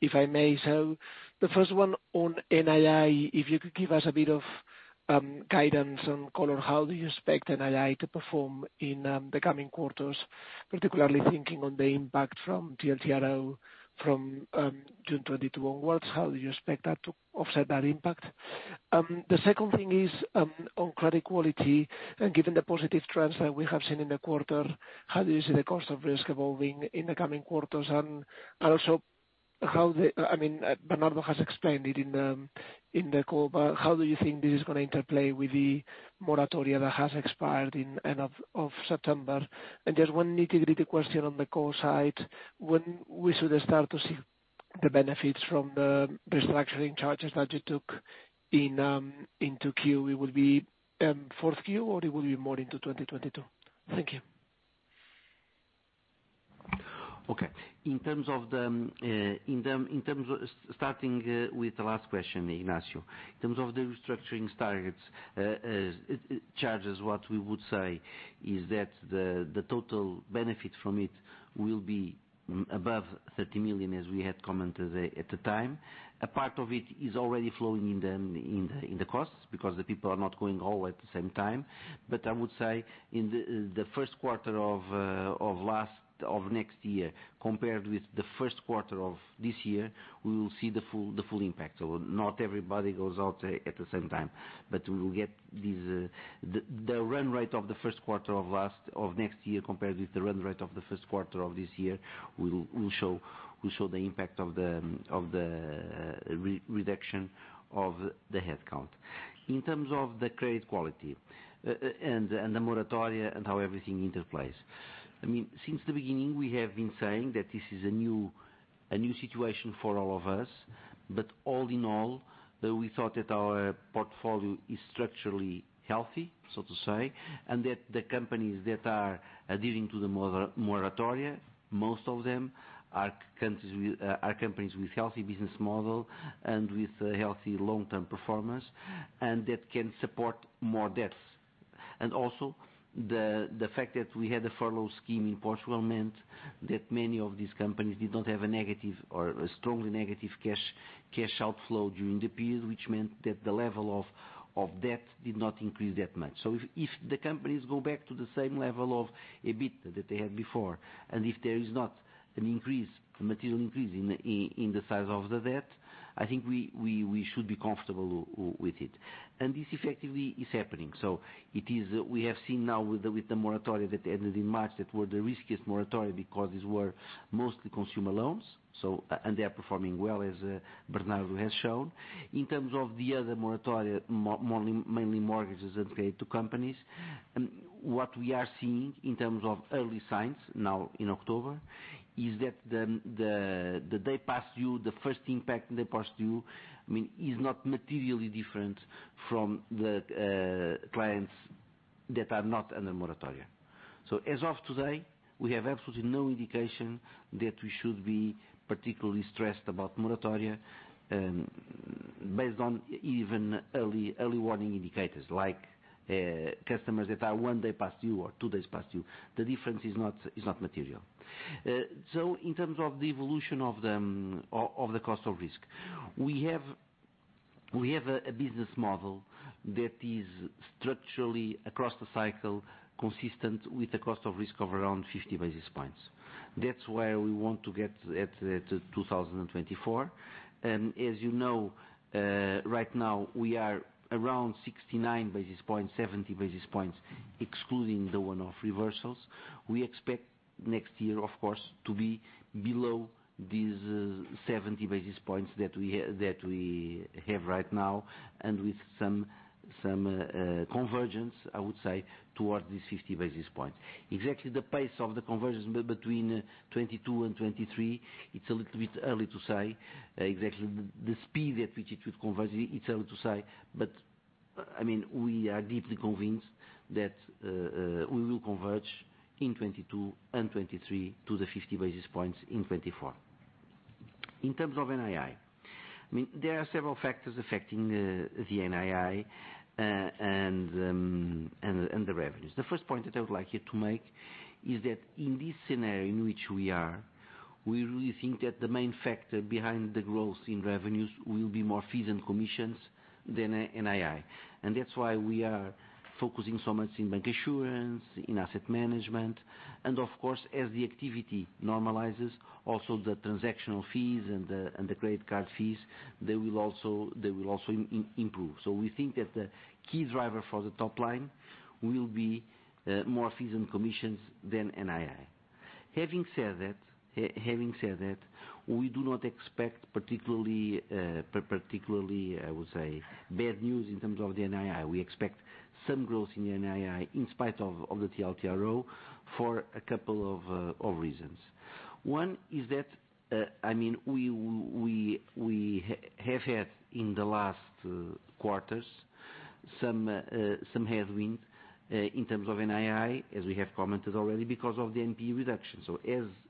if I may. The first one on NII, if you could give us a bit of guidance on call on how do you expect NII to perform in the coming quarters, particularly thinking on the impact from TLTRO from June 2022 onwards. How do you expect that to offset that impact? The second thing is on credit quality, and given the positive trends that we have seen in the quarter, how do you see the cost of risk evolving in the coming quarters? Also how the, I mean, Bernardo has explained it in the call, but how do you think this is gonna interplay with the moratoria that has expired in end of September? Just one nitty-gritty question on the cost side. When we should start to see the benefits from the restructuring charges that you took in in 2Q? It will be Q4 or it will be more into 2022? Thank you. In terms of starting with the last question, Ignacio, in terms of the restructuring targets and charges, what we would say is that the total benefit from it will be above 30 million, as we had commented at the time. A part of it is already flowing in the costs because the people are not going all at the same time. I would say in the first quarter of next year compared with the first quarter of this year, we will see the full impact. Not everybody goes out at the same time, but we will get the run rate of the first quarter of next year compared with the run rate of the first quarter of this year. We will show the impact of the reduction of the headcount. In terms of the credit quality and the moratoria and how everything interplays. I mean, since the beginning, we have been saying that this is a new situation for all of us. All in all, we thought that our portfolio is structurally healthy, so to say, and that the companies that are adhering to the moratoria, most of them are companies with healthy business model and with a healthy long-term performance, and that can support more debts. Also, the fact that we had a furlough scheme in Portugal meant that many of these companies did not have a negative or a strongly negative cash outflow during the period, which meant that the level of debt did not increase that much. If the companies go back to the same level of EBITDA that they had before, and if there is not an increase, a material increase in the size of the debt, I think we should be comfortable with it. This effectively is happening. It is, we have seen now with the moratoria that ended in March that were the riskiest moratoria because these were mostly consumer loans. They are performing well, as Bernardo has shown. In terms of the other moratoria, mainly mortgages and credit to companies, what we are seeing in terms of early signs now in October is that the day past due, the first impact day past due, I mean, is not materially different from the clients that are not under moratoria. As of today, we have absolutely no indication that we should be particularly stressed about moratoria, based on even early warning indicators like customers that are one day past due or two days past due. The difference is not material. In terms of the evolution of the cost of risk, we have a business model that is structurally across the cycle, consistent with the cost of risk of around 50 basis points. That's where we want to get at 2024. As you know, right now we are around 69 basis points, 70 basis points, excluding the one-off reversals. We expect next year, of course, to be below these 70 basis points that we have right now and with some convergence, I would say, towards the 50 basis points. Exactly the pace of the convergence between 2022 and 2023, it's a little bit early to say exactly the speed at which it would converge. It's early to say, but I mean, we are deeply convinced that we will converge in 2022 and 2023 to the 50 basis points in 2024. In terms of NII, I mean, there are several factors affecting the NII and the revenues. The first point that I would like you to make is that in this scenario in which we are, we really think that the main factor behind the growth in revenues will be more fees and commissions than NII. That's why we are focusing so much in bancassurance, in asset management. Of course, as the activity normalizes, also the transactional fees and the credit card fees, they will also improve. We think that the key driver for the top line will be more fees and commissions than NII. Having said that, we do not expect particularly, I would say, bad news in terms of the NII. We expect some growth in the NII in spite of the TLTRO for a couple of reasons. One is that, I mean, we have had in the last quarters some headwind in terms of NII, as we have commented already, because of the NPE reduction.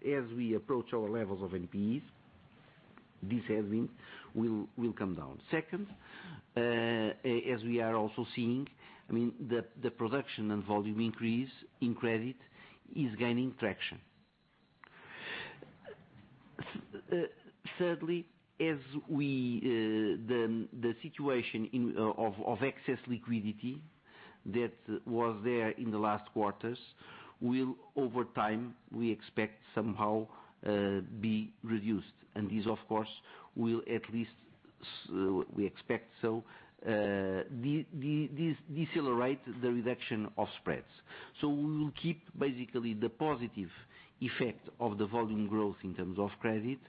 As we approach our levels of NPEs, this headwind will come down. Second, as we are also seeing, I mean, the production and volume increase in credit is gaining traction. Thirdly, the situation of excess liquidity that was there in the last quarters will over time, we expect, somehow be reduced. This of course will at least, we expect so, decelerate the reduction of spreads. We will keep basically the positive effect of the volume growth in terms of credit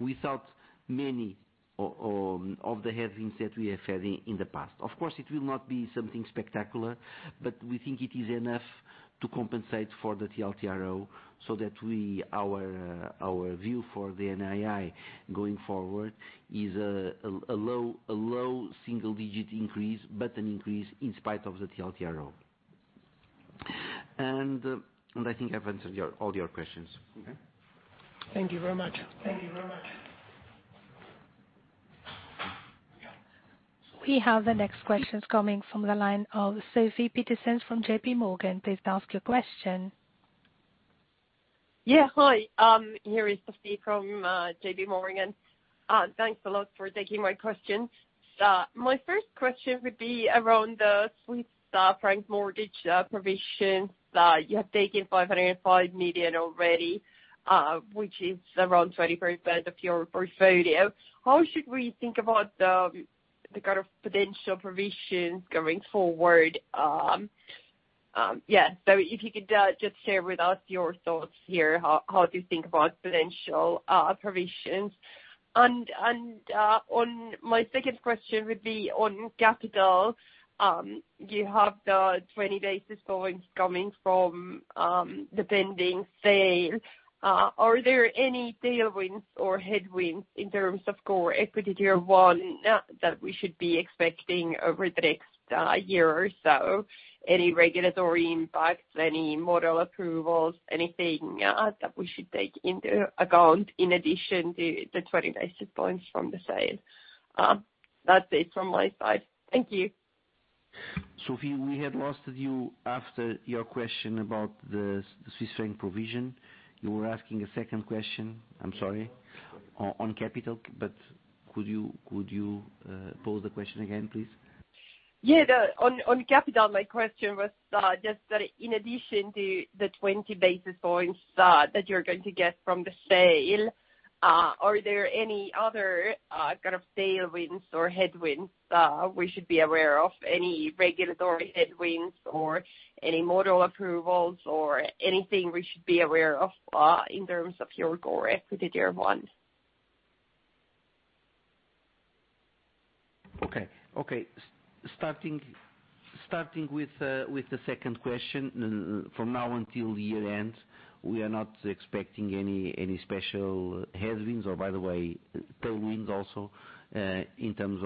without many of the headwinds that we have had in the past. Of course, it will not be something spectacular, but we think it is enough to compensate for the TLTRO so that our view for the NII going forward is a low single digit increase, but an increase in spite of the TLTRO. I think I've answered all your questions. Okay. Thank you very much. We have the next questions coming from the line of Sofie Peterzens JPMorgan. Please ask your question. Hi, this is Sofie from JPMorgan. Thanks a lot for taking my questions. My first question would be around the Swiss franc mortgage provisions. You have taken 505 million already, which is around 23% of your portfolio. How should we think about the kind of potential provisions going forward? If you could just share with us your thoughts here, how do you think about potential provisions? On my second question would be on capital. You have the 20 basis points coming from the pending sale. Are there any tailwinds or headwinds in terms of Common Equity Tier 1 that we should be expecting over the next year or so? Any regulatory impacts, any model approvals, anything that we should take into account in addition to the 20 basis points from the sale? That's it from my side. Thank you. Sofie, we have lost you after your question about the Swiss franc provision. You were asking a second question. I'm sorry, on capital, but could you pose the question again, please? Yeah. On capital, my question was just that in addition to the 20 basis points that you're going to get from the sale, are there any other kind of tailwinds or headwinds we should be aware of? Any regulatory headwinds, or any model approvals, or anything we should be aware of in terms of your core equity Tier 1? Okay. Starting with the second question. From now until year end, we are not expecting any special headwinds, or by the way, tailwinds also, in terms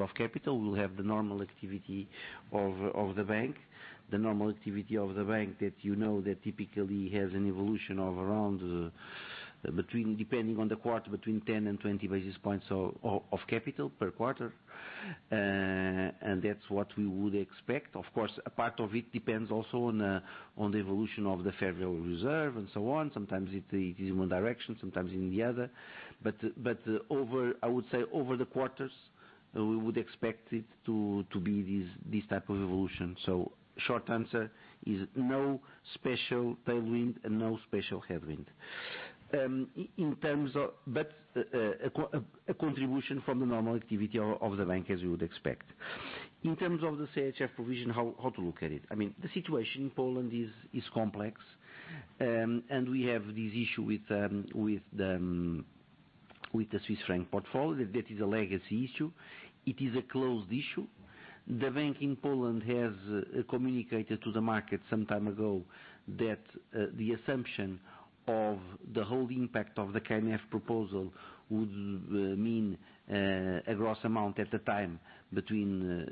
of capital. We'll have the normal activity of the bank. The normal activity of the bank that you know that typically has an evolution of around, between, depending on the quarter, 10-20 basis points of capital per quarter. And that's what we would expect. Of course, a part of it depends also on the evolution of the Federal Reserve and so on. Sometimes it is in one direction, sometimes in the other. Over, I would say, over the quarters, we would expect it to be this type of evolution. Short answer is no special tailwind and no special headwind. A contribution from the normal activity of the bank, as you would expect. In terms of the CHF provision, how to look at it? I mean, the situation in Poland is complex, and we have this issue with the Swiss franc portfolio. That is a legacy issue. It is a closed issue. The bank in Poland has communicated to the market some time ago that the assumption of the whole impact of the KNF proposal would mean a gross amount at the time between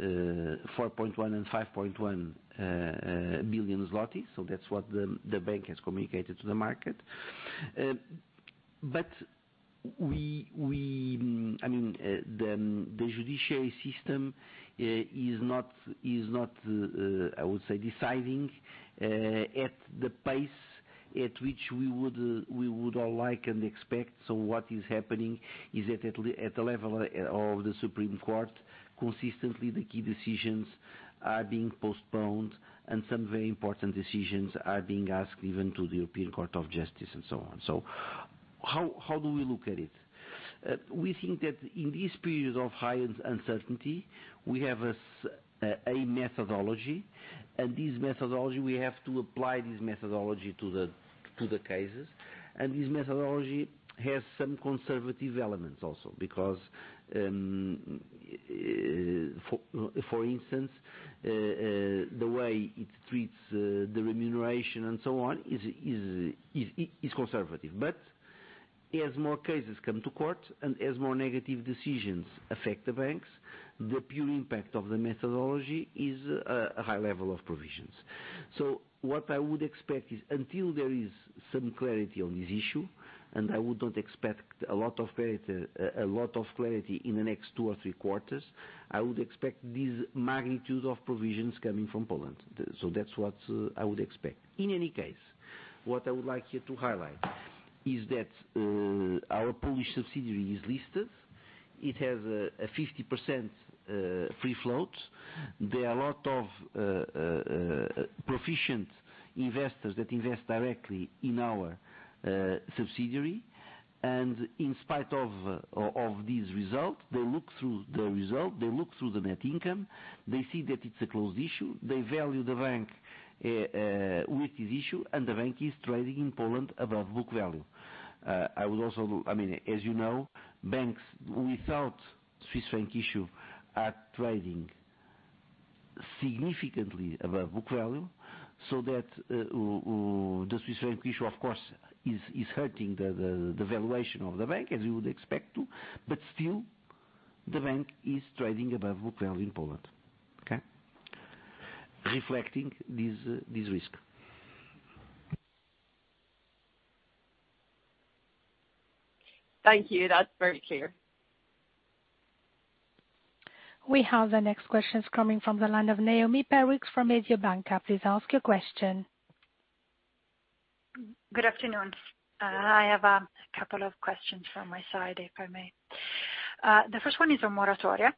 4.1 billion and 5.1 billion zloty. That's what the bank has communicated to the market. We, I mean, the judiciary system is not, I would say, deciding at the pace at which we would all like and expect. What is happening is at the level of the Supreme Court, consistently, the key decisions are being postponed and some very important decisions are being asked even to the European Court of Justice and so on. How do we look at it? We think that in this period of high uncertainty, we have a methodology, and this methodology, we have to apply this methodology to the cases, and this methodology has some conservative elements also, because, for instance, the way it treats the remuneration and so on is conservative. As more cases come to court and as more negative decisions affect the banks, the pure impact of the methodology is a high level of provisions. What I would expect is until there is some clarity on this issue, and I would not expect a lot of clarity in the next 2 or 3 quarters, I would expect this magnitude of provisions coming from Poland. That's what I would expect. In any case, what I would like here to highlight is that our Polish subsidiary is listed. It has a 50% free float. There are a lot of proficient investors that invest directly in our subsidiary. In spite of this result, they look through the result, they look through the net income, they see that it's a closed issue, they value the bank with this issue, and the bank is trading in Poland above book value. I would also, I mean, as you know, banks without Swiss franc issue are trading significantly above book value, so that the Swiss franc issue, of course, is hurting the valuation of the bank, as you would expect to, but still the bank is trading above book value in Poland. Okay? Reflecting this risk. Thank you. That's very clear. We have the next questions coming from the line of Noemi Peruch from Mediobanca. Please ask your question. Good afternoon. I have a couple of questions from my side, if I may. The first one is on moratoria.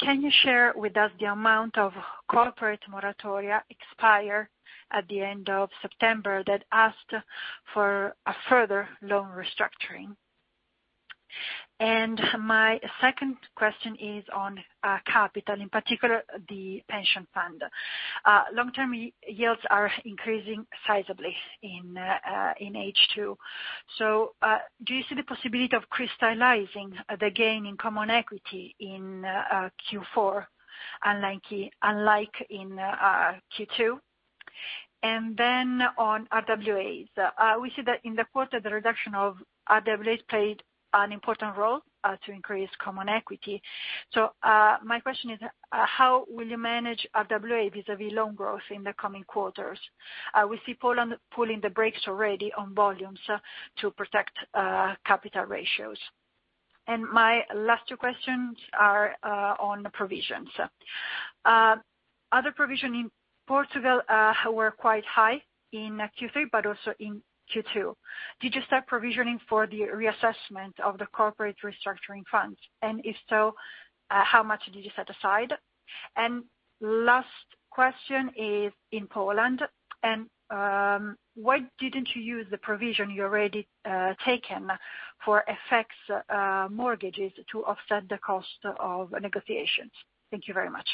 Can you share with us the amount of corporate moratoria expire at the end of September that asked for a further loan restructuring? My second question is on capital, in particular, the pension fund. Long-term yields are increasing sizably in H2. Do you see the possibility of crystallizing the gain in common equity in Q4 unlike in Q2? On RWAs. We see that in the quarter, the reduction of RWAs played an important role to increase common equity. My question is, how will you manage RWA vis-a-vis loan growth in the coming quarters? We see Poland pulling the brakes already on volumes to protect capital ratios. My last two questions are on the provisions. Other provision in Portugal were quite high in Q3, but also in Q2. Did you start provisioning for the reassessment of the corporate restructuring funds? And if so, how much did you set aside? Last question is in Poland. Why didn't you use the provision you already taken for FX mortgages to offset the cost of negotiations? Thank you very much.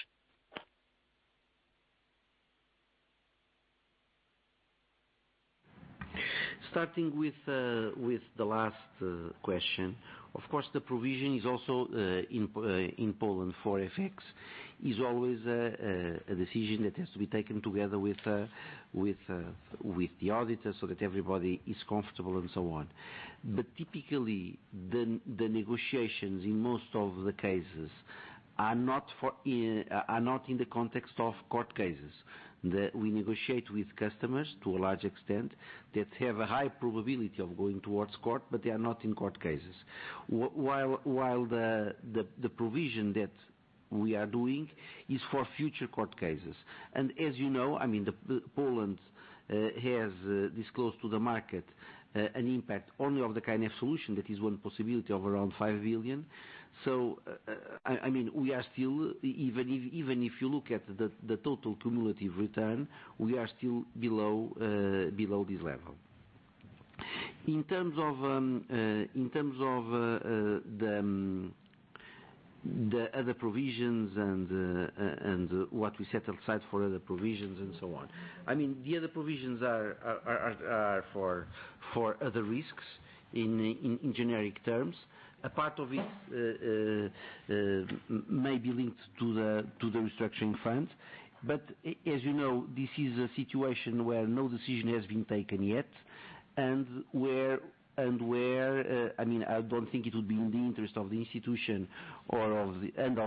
Starting with the last question, of course, the provision is also in Poland for FX is always a decision that has to be taken together with the auditors so that everybody is comfortable and so on. But typically, the negotiations in most of the cases are not in the context of court cases. We negotiate with customers to a large extent that have a high probability of going towards court, but they are not in court cases. While the provision that we are doing is for future court cases. As you know, I mean, Poland has disclosed to the market an impact only of the kind of solution that is one possibility of around 5 billion. I mean, we are still, even if you look at the total cumulative return, we are still below this level. In terms of the other provisions and what we set aside for other provisions and so on, I mean, the other provisions are for other risks in generic terms. A part of it may be linked to the restructuring fund. As you know, this is a situation where no decision has been taken yet and where, I mean, I don't think it would be in the interest of the institution or of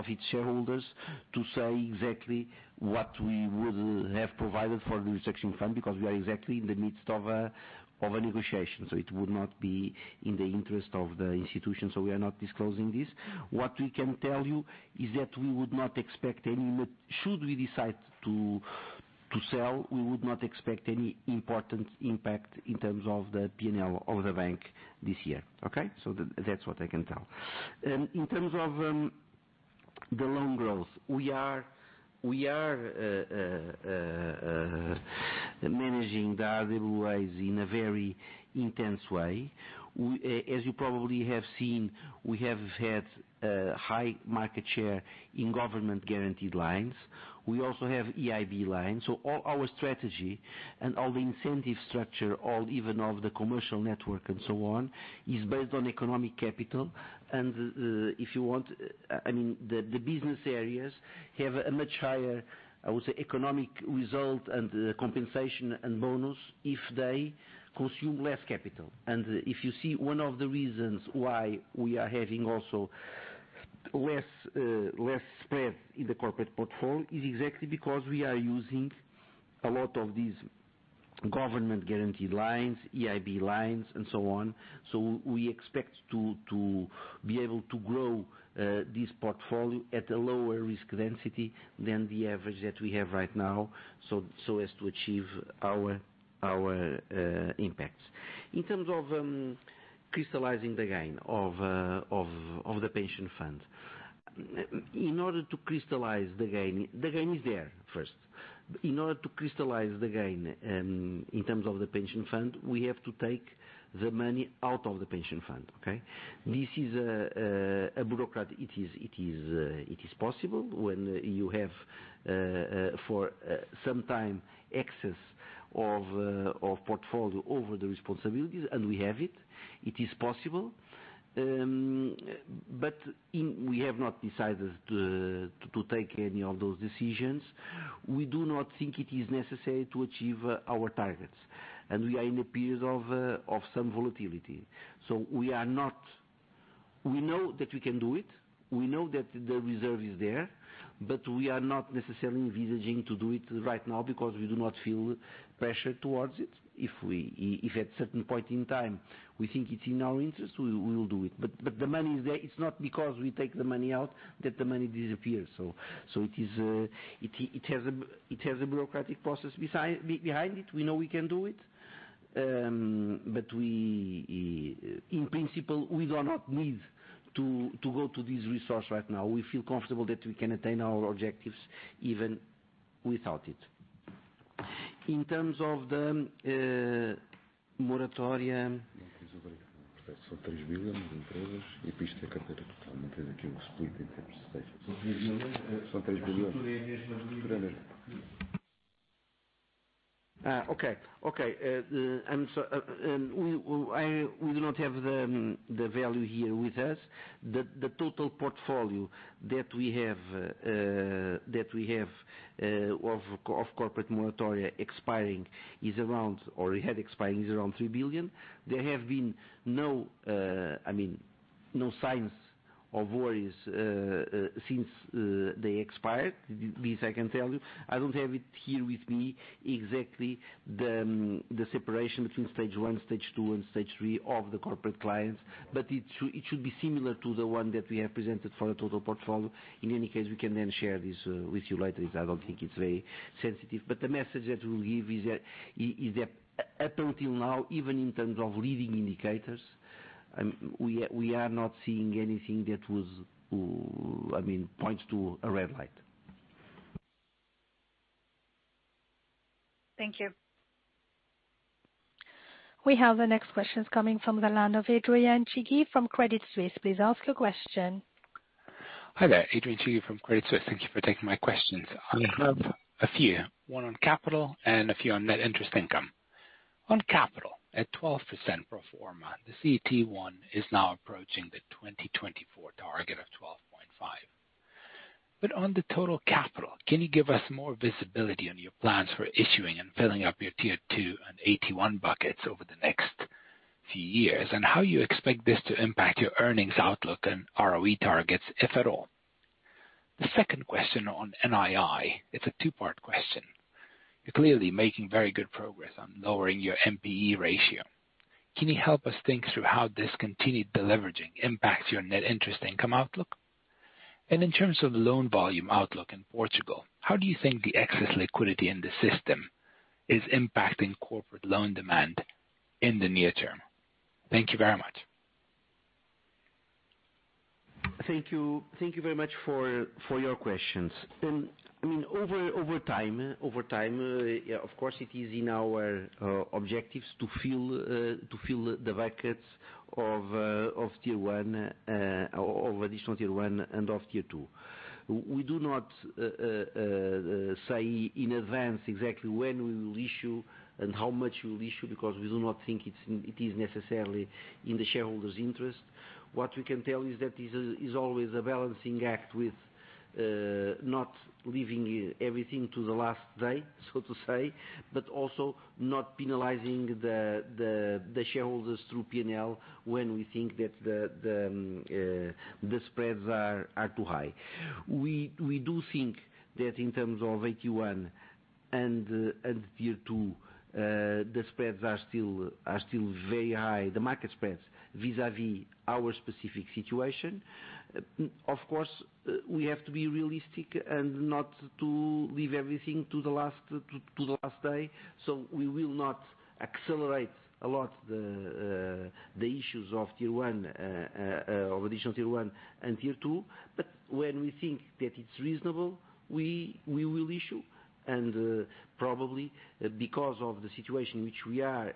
its shareholders to say exactly what we would have provided for the restructuring fund, because we are exactly in the midst of a negotiation. It would not be in the interest of the institution. We are not disclosing this. What we can tell you is that we would not expect any, should we decide to sell, we would not expect any important impact in terms of the P&L of the bank this year. Okay. That's what I can tell. In terms of the loan growth, we are managing the RWAs in a very intense way. As you probably have seen, we have had high market share in government guaranteed lines. We also have EIB lines. All our strategy and all the incentive structure, all even of the commercial network and so on, is based on economic capital. If you want, I mean, the business areas have a much higher, I would say, economic result and compensation and bonus if they consume less capital. If you see one of the reasons why we are having also less spread in the corporate portfolio is exactly because we are using a lot of these government guaranteed lines, EIB lines, and so on. We expect to be able to grow this portfolio at a lower risk density than the average that we have right now, so as to achieve our impacts. In terms of crystallizing the gain of the pension fund, in order to crystallize the gain, the gain is there first. In order to crystallize the gain, in terms of the pension fund, we have to take the money out of the pension fund. Okay. This is a bureaucratic. It is possible when you have for some time excess of portfolio over the liabilities, and we have it. It is possible. But we have not decided to take any of those decisions. We do not think it is necessary to achieve our targets. We are in a period of some volatility. We are not. We know that we can do it. We know that the reserve is there, but we are not necessarily envisaging to do it right now because we do not feel pressured towards it. If at certain point in time we think it's in our interest, we will do it. The money is there. It's not because we take the money out that the money disappears. It has a bureaucratic process behind it. We know we can do it. In principle, we do not need to go to this resource right now. We feel comfortable that we can attain our objectives even without it. In terms of the moratoria, we do not have the value here with us. The total portfolio that we have of corporate moratoria expiring is around 3 billion. There have been no, I mean, no signs of worries since they expired. This, I can tell you. I don't have it here with me exactly the separation between Stage 1, Stage 2, and Stage 3 of the corporate clients, but it should be similar to the one that we have presented for our total portfolio. In any case, we can then share this with you later. It, I don't think it's very sensitive. The message that we give is that up until now, even in terms of leading indicators, we are not seeing anything that points to a red light. Thank you. We have the next questions coming from the line of Adrian Cighi from Credit Suisse. Please ask your question. Hi there. Adrian Cighi from Credit Suisse. Thank you for taking my questions. I have a few. One on capital and a few on net interest income. On capital, at 12% pro forma, the CET1 is now approaching the 2024 target of 12.5%. On the total capital, can you give us more visibility on your plans for issuing and filling up your Tier 2 and AT1 buckets over the next few years, and how you expect this to impact your earnings outlook and ROE targets, if at all? The second question on NII, it's a two-part question. You're clearly making very good progress on lowering your NPE ratio. Can you help us think through how this continued deleveraging impacts your net interest income outlook? And in terms of loan volume outlook in Portugal, how do you think the excess liquidity in the system is impacting corporate loan demand in the near term? Thank you very much. Thank you very much for your questions. I mean, over time, yeah, of course, it is in our objectives to fill the buckets of Tier 1, of Additional Tier 1 and of Tier 2. We do not say in advance exactly when we will issue and how much we'll issue because we do not think it is necessarily in the shareholders' interest. What we can tell you is that this is always a balancing act with not leaving everything to the last day, so to say, but also not penalizing the shareholders through P&L when we think that the spreads are too high. We do think that in terms of AT1 and Tier 2, the spreads are still very high, the market spreads, vis-à-vis our specific situation. Of course, we have to be realistic and not leave everything to the last day. We will not accelerate a lot the issues of additional Tier 1 and Tier 2. When we think that it's reasonable, we will issue and probably because of the situation which we are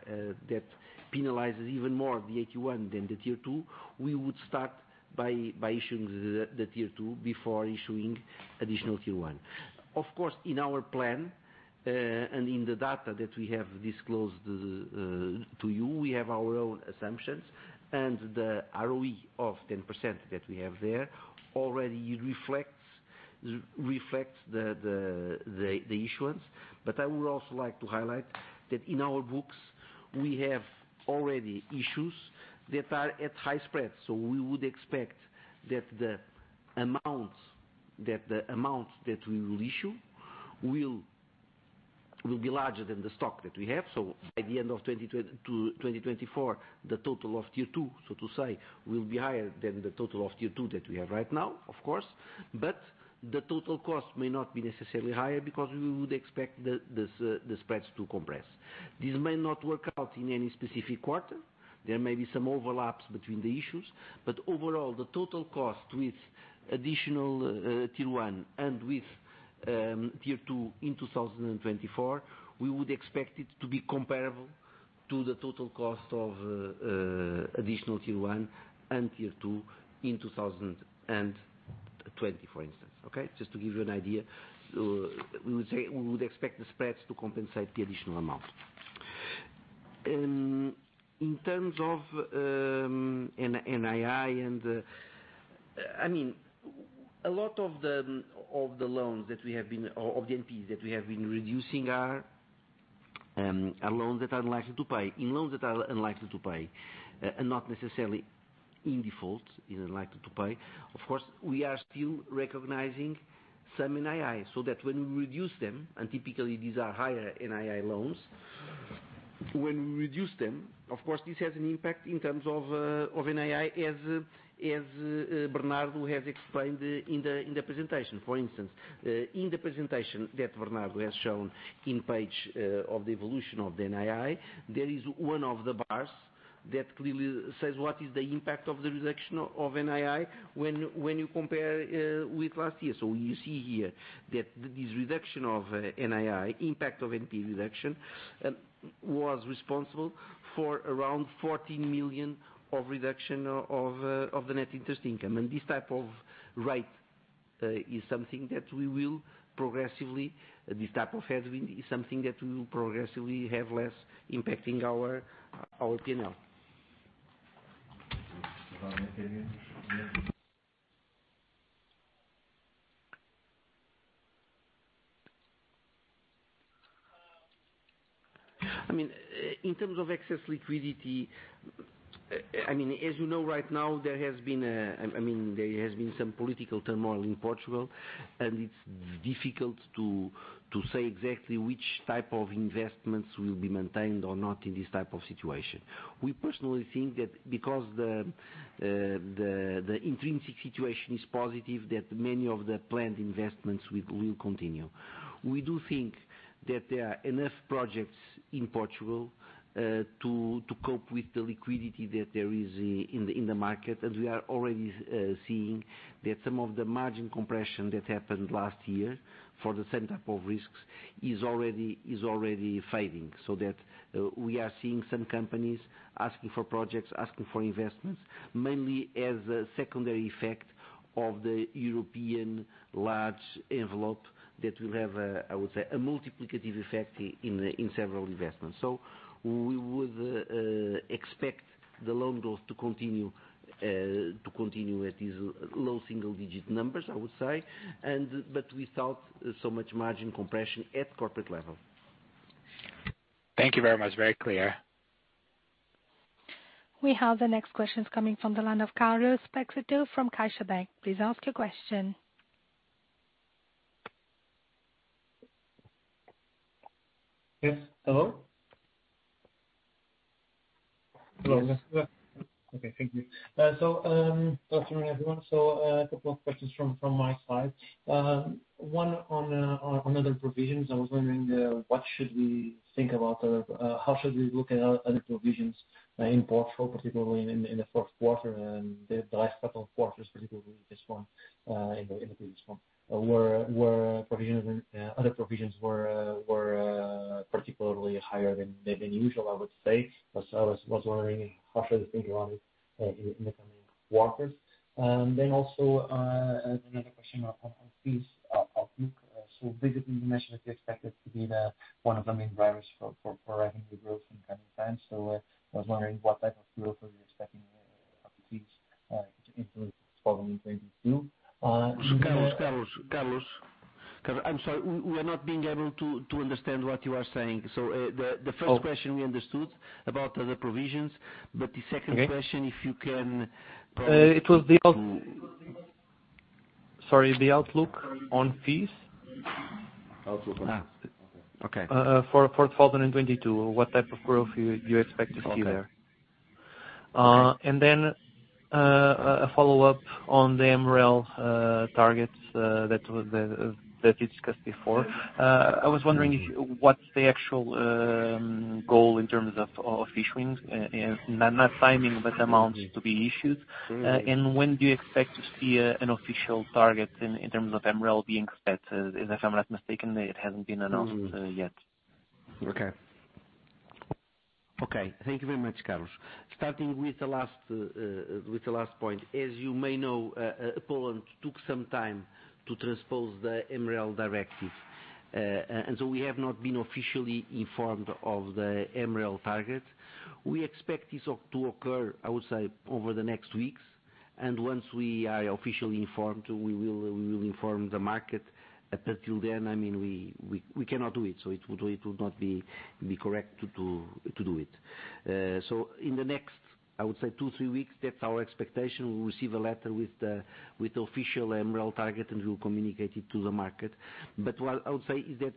that penalizes even more the AT1 than the Tier 2, we would start by issuing the Tier 2 before issuing additional Tier 1. Of course, in our plan and in the data that we have disclosed to you, we have our own assumptions. The ROE of 10% that we have there already reflects the issuance. I would also like to highlight that in our books, we have already issued that are at high spreads. We would expect that the amounts that we will issue will be larger than the stock that we have. By the end of 2024, the total of Tier 2, so to say, will be higher than the total of Tier 2 that we have right now, of course. The total cost may not be necessarily higher because we would expect the spreads to compress. This may not work out in any specific quarter. There may be some overlaps between the issues. Overall, the total cost with additional Tier 1 and Tier 2 in 2024, we would expect it to be comparable to the total cost of additional Tier 1 and Tier 2 in 2020, for instance. Okay. Just to give you an idea. We would expect the spreads to compensate the additional amount. In terms of NII and I mean, a lot of the loans or the NPEs that we have been reducing are loans that are unlikely to pay and not necessarily in default. Of course, we are still recognizing some NII, so that when we reduce them, and typically these are higher NII loans, when we reduce them, of course, this has an impact in terms of NII as Bernardo has explained in the presentation. For instance, in the presentation that Bernardo has shown in page of the evolution of the NII, there is one of the bars that clearly says what is the impact of the reduction of NII when you compare with last year. You see here that this reduction of NII, impact of NP reduction, was responsible for around 14 million of reduction of the net interest income. This type of headwind is something that we will progressively have less impacting our P&L. I mean, in terms of excess liquidity, I mean, as you know, right now, there has been some political turmoil in Portugal, and it's difficult to say exactly which type of investments will be maintained or not in this type of situation. We personally think that because the intrinsic situation is positive, that many of the planned investments we will continue. We do think that there are enough projects in Portugal to cope with the liquidity that there is in the market. We are already seeing that some of the margin compression that happened last year for the same type of risks is already fading. We are seeing some companies asking for projects, asking for investments, mainly as a secondary effect of the European large envelope that will have, I would say, a multiplicative effect in several investments. We would expect the loan growth to continue at these low single digit numbers, I would say, but without so much margin compression at corporate level. Thank you very much. Very clear. We have the next questions coming from the line of Carlos Peixoto from CaixaBank. Please ask your question. Yes, hello? Hello. Okay, thank you. Good afternoon, everyone. A couple of questions from my side. One on other provisions. I was wondering what should we think about or how should we look at other provisions in Portugal, particularly in the first quarter and the last couple of quarters, particularly this one, in the previous one? Were provisions and other provisions particularly higher than usual, I would say. I was wondering how should we think about it in the coming quarters. Also, another question on fees outlook. This information that you expected to be one of the main drivers for revenue growth in coming times. I was wondering what type of growth are you expecting on fees, to influence the following phases too? Carlos, I'm sorry, we are not able to understand what you are saying. The first question we understood about the provisions, but the second question, if you can probably It was the outlook on fees for 2022, what type of growth you expect to see there? Then, a follow-up on the MREL targets that you discussed before. I was wondering if what's the actual goal in terms of issuance, and not timing, but amounts to be issued? When do you expect to see an official target in terms of MREL being set? If I'm not mistaken, it hasn't been announced yet. Okay. Thank you very much, Carlos. Starting with the last point, as you may know, Poland took some time to transpose the MREL directive. We have not been officially informed of the MREL target. We expect this all to occur, I would say, over the next weeks. Once we are officially informed, we will inform the market. Till then, I mean, we cannot do it. It would not be correct to do it. In the next, I would say two, three weeks, that's our expectation. We'll receive a letter with the official MREL target, and we'll communicate it to the market. What I would say is that,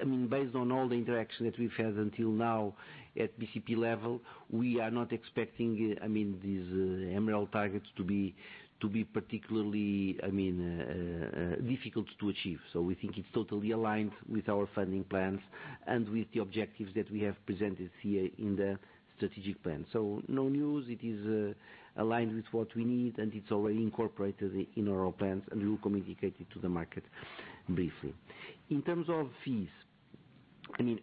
I mean, based on all the interaction that we've had until now at BCP level, we are not expecting, I mean, these MREL targets to be particularly difficult to achieve. We think it's totally aligned with our funding plans and with the objectives that we have presented here in the strategic plan. No news, it is aligned with what we need and it's already incorporated in our plans, and we will communicate it to the market briefly. In terms of fees, I mean,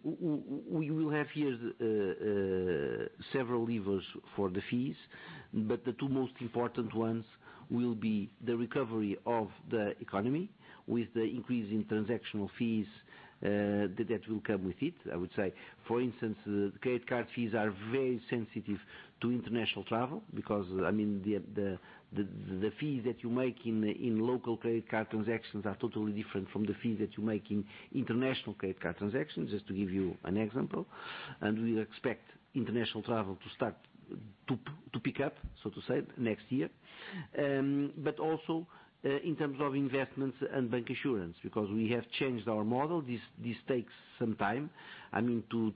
we will have here several levers for the fees, but the two most important ones will be the recovery of the economy with the increase in transactional fees that will come with it, I would say. For instance, the credit card fees are very sensitive to international travel because the fees that you make in local credit card transactions are totally different from the fees that you make in international credit card transactions, just to give you an example. We expect international travel to start to pick up, so to say, next year. Also, in terms of investments and bank insurance, because we have changed our model. This takes some time, I mean, to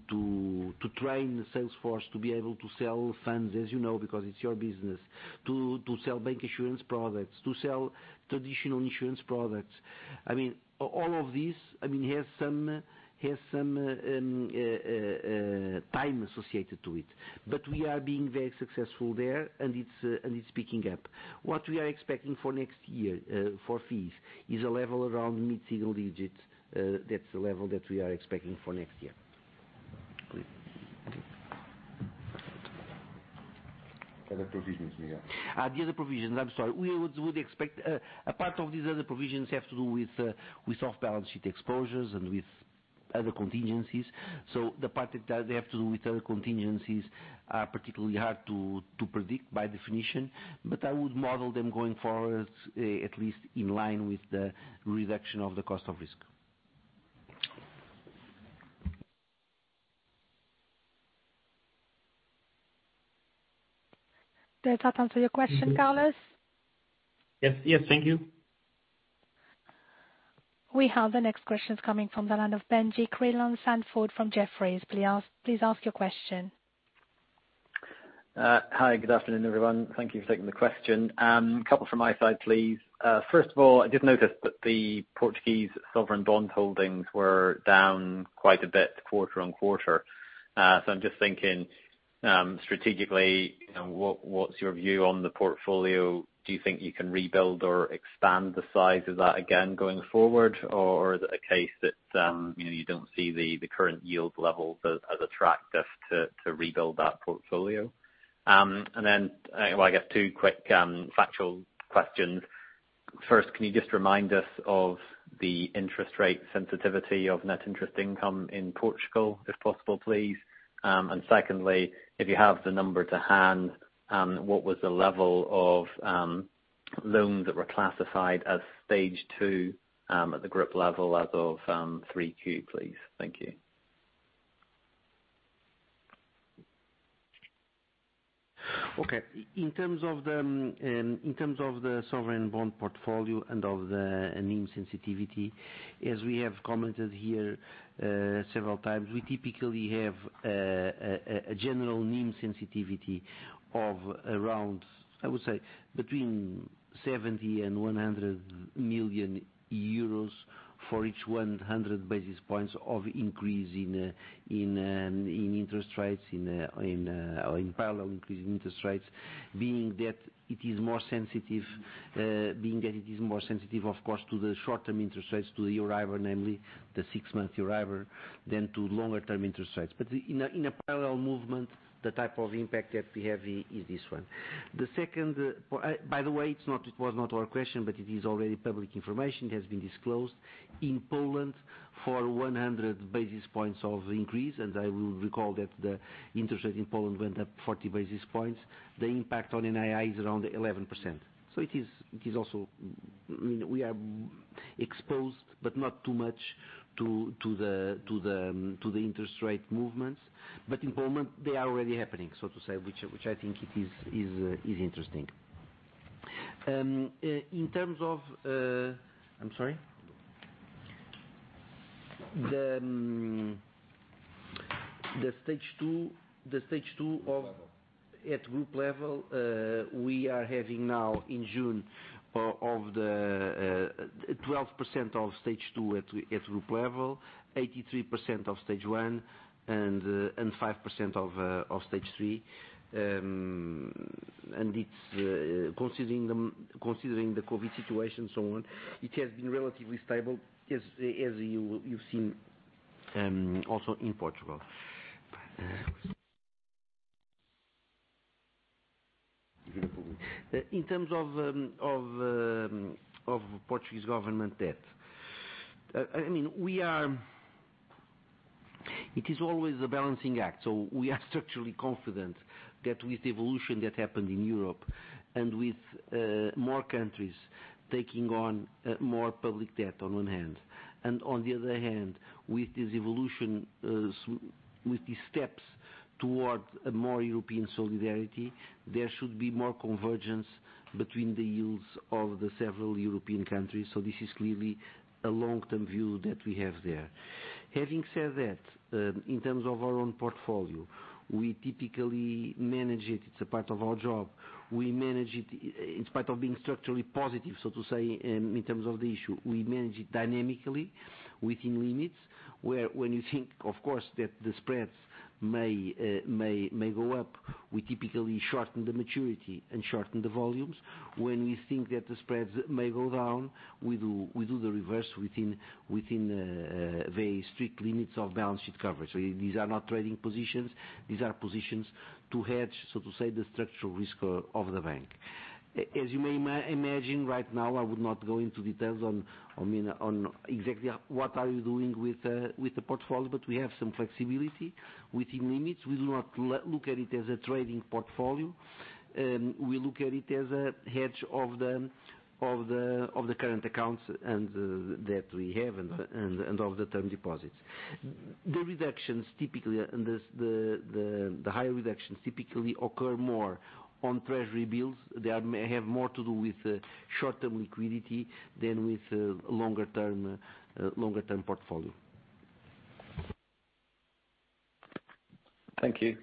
train the sales force to be able to sell funds, as you know, because it's your business. To sell bank insurance products, to sell traditional insurance products. I mean, all of this, I mean, has some time associated to it. We are being very successful there, and it's picking up. What we are expecting for next year, for fees, is a level around mid-single digits. That's the level that we are expecting for next year. Other provisions, Miguel. The other provisions, I'm sorry. We would expect a part of these other provisions have to do with off-balance sheet exposures and with other contingencies. The part that they have to do with other contingencies are particularly hard to predict, by definition. I would model them going forward at least in line with the reduction of the cost of risk. Does that answer your question, Carlos? Yes. Yes. Thank you. We have the next question coming from the line of Borja Ramirez Segura from Citi. Please ask your question. Hi. Good afternoon, everyone. Thank you for taking the question. A couple from my side, please. First of all, I did notice that the Portuguese sovereign bond holdings were down quite a bit quarter-on-quarter. So I'm just thinking, strategically, you know, what's your view on the portfolio? Do you think you can rebuild or expand the size of that again going forward? Or is it a case that, you know, you don't see the current yield levels as attractive to rebuild that portfolio? And then, well, I guess two quick factual questions. First, can you just remind us of the interest rate sensitivity of net interest income in Portugal, if possible, please? Secondly, if you have the number to hand, what was the level of loans that were classified as Stage 2 at the group level as of 3Q, please? Thank you. Okay. In terms of the sovereign bond portfolio and of the NIM sensitivity, as we have commented here several times, we typically have a general NIM sensitivity of around, I would say, between 70 million and 100 million euros for each 100 basis points of increase in interest rates or in parallel increase in interest rates. Being that it is more sensitive, of course, to the short-term interest rates, to the Euribor, namely the six-month Euribor, than to longer-term interest rates. In a parallel movement, the type of impact that we have is this one. The second, by the way, it was not our question, but it is already public information, it has been disclosed. In Poland, for 100 basis points of increase, and I will recall that the interest rate in Poland went up 40 basis points, the impact on NII is around 11%. It is also, you know, we are exposed, but not too much, to the interest rate movements. In Poland, they are already happening, so to say, which I think is interesting. In terms of. The Stage 2 At group level, we are having now, in June, 12% of Stage 2 at group level, 83% of Stage 1, and 5% of Stage 3. It's considering the COVID situation and so on, it has been relatively stable as you've seen, also in Portugal. In terms of Portuguese government debt, I mean, it is always a balancing act, so we are structurally confident that with evolution that happened in Europe and with more countries taking on more public debt on one hand, and on the other hand, with this evolution, with these steps toward a more European solidarity, there should be more convergence between the yields of the several European countries. This is clearly a long-term view that we have there. Having said that, in terms of our own portfolio, we typically manage it's a part of our job, we manage it in spite of being structurally positive, so to say, in terms of the issue, we manage it dynamically within limits. Where when you think, of course, that the spreads may go up, we typically shorten the maturity and shorten the volumes. When we think that the spreads may go down, we do the reverse within very strict limits of balance sheet coverage. These are not trading positions. These are positions to hedge, so to say, the structural risk of the bank. As you may imagine right now, I would not go into details on, I mean, on exactly what we are doing with the portfolio, but we have some flexibility within limits. We do not look at it as a trading portfolio. We look at it as a hedge of the current accounts and of the term deposits. The reductions typically, and the higher reductions typically occur more on Treasury bills. They have more to do with short-term liquidity than with longer-term portfolio. Thank you.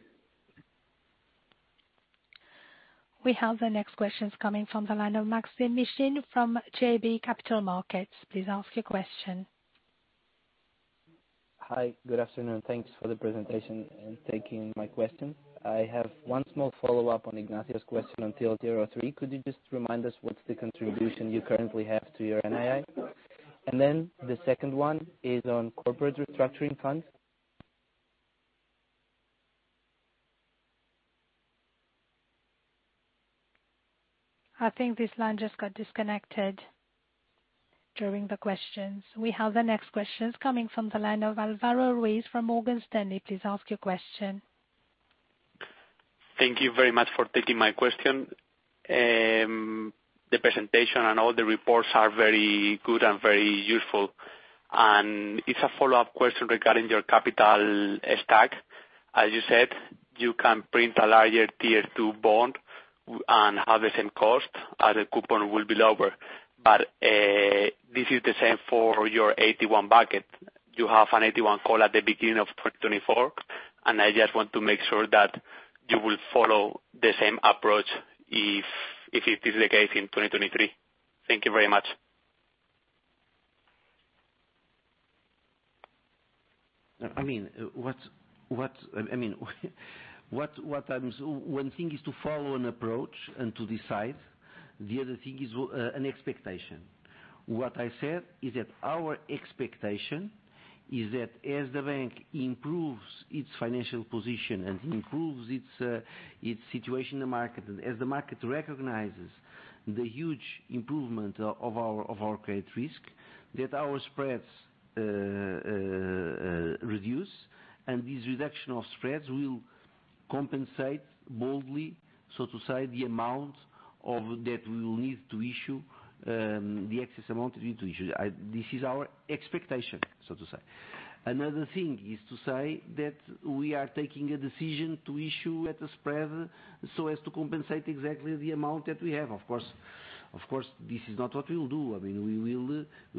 We have the next questions coming from the line of Maksym Mishyn from JB Capital Markets. Please ask your question. Hi, good afternoon. Thanks for the presentation and taking my question. I have one small follow-up on Ignacio's question on TLTRO III. Could you just remind us what's the contribution you currently have to your NII? And then the second one is on corporate restructuring funds. I think this line just got disconnected during the questions. We have the next questions coming from the line of Alvaro Serrano from Morgan Stanley. Please ask your question. Thank you very much for taking my question. The presentation and all the reports are very good and very useful. It's a follow-up question regarding your capital stack. As you said, you can print a larger Tier 2 bond and have the same cost, and the coupon will be lower. This is the same for your AT1 bucket. You have an AT1 call at the beginning of 2024, and I just want to make sure that you will follow the same approach if it is the case in 2023. Thank you very much. I mean, what I'm one thing is to follow an approach and to decide. The other thing is an expectation. What I said is that our expectation is that as the bank improves its financial position and improves its situation in the market, and as the market recognizes the huge improvement of our credit risk, that our spreads reduce. This reduction of spreads will compensate boldly, so to say, the amount of debt we will need to issue, the excess amount we need to issue. This is our expectation, so to say. Another thing is to say that we are taking a decision to issue at a spread so as to compensate exactly the amount that we have. Of course, this is not what we will do. I mean, we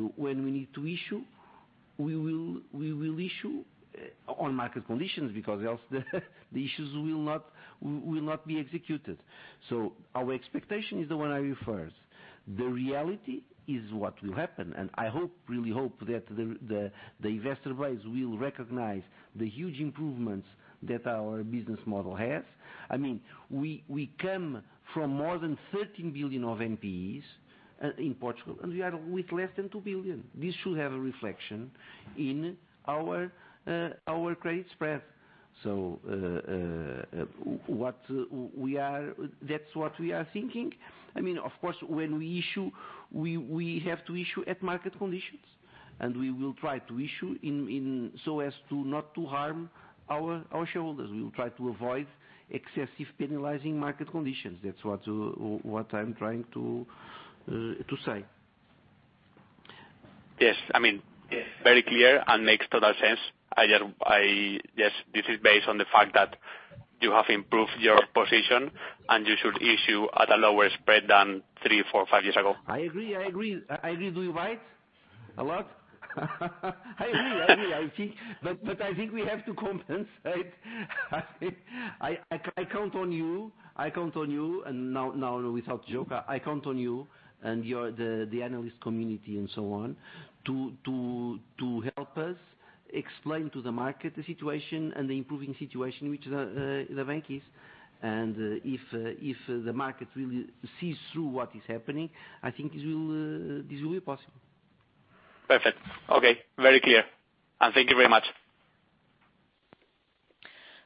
will, when we need to issue, we will issue on market conditions because else the issues will not be executed. Our expectation is the one I referred. The reality is what will happen, and I hope, really hope that the investor base will recognize the huge improvements that our business model has. I mean, we come from more than 13 billion of NPEs in Portugal, and we are with less than 2 billion. This should have a reflection in our credit spread. What we are thinking. I mean, of course, when we issue, we have to issue at market conditions, and we will try to issue in so as to not to harm our shareholders. We will try to avoid excessive penalizing market conditions. That's what I'm trying to say. Yes. I mean, very clear and makes total sense. Yes, this is based on the fact that you have improved your position and you should issue at a lower spread than three, four, five years ago. I agree with you, right? A lot. I think we have to compensate. I count on you and now without joke, I count on you and your analyst community and so on, to help us explain to the market the situation and the improving situation which the bank is. If the market really sees through what is happening, I think this will be possible. Perfect. Okay. Very clear. Thank you very much.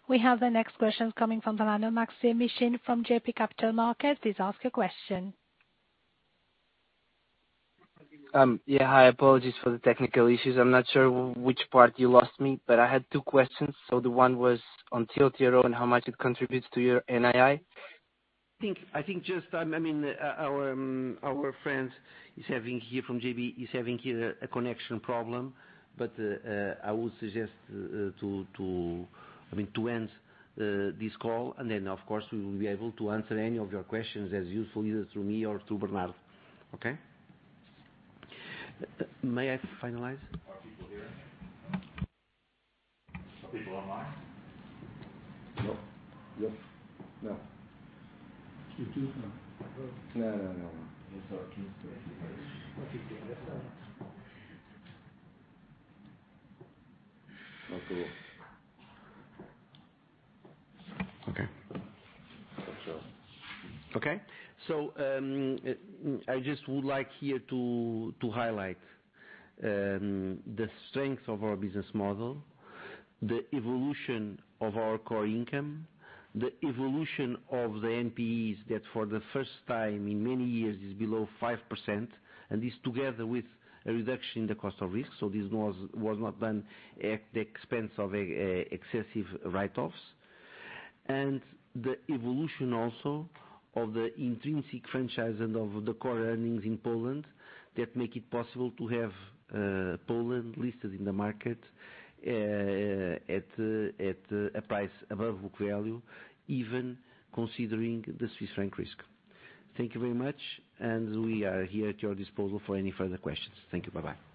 We have the next question coming from the line of Maksym Mishyn from JB Capital Markets. Please ask your question. Yeah. Hi, apologies for the technical issues. I'm not sure which part you lost me, but I had two questions. The one was on TLTRO and how much it contributes to your NII. I think just, I mean, our friend from JB is having a connection problem. But I would suggest to end this call, and then of course, we will be able to answer any of your questions as usual, either through me or through Bernardo. Okay? May I finalize? Okay. I just would like here to highlight the strength of our business model, the evolution of our core income, the evolution of the NPEs that for the first time in many years is below 5%, and this together with a reduction in the cost of risk. This was not done at the expense of excessive write-offs. The evolution also of the intrinsic franchise and of the core earnings in Poland that make it possible to have Poland listed in the market at a price above book value, even considering the Swiss franc risk. Thank you very much, and we are here at your disposal for any further questions. Thank you. Bye-bye.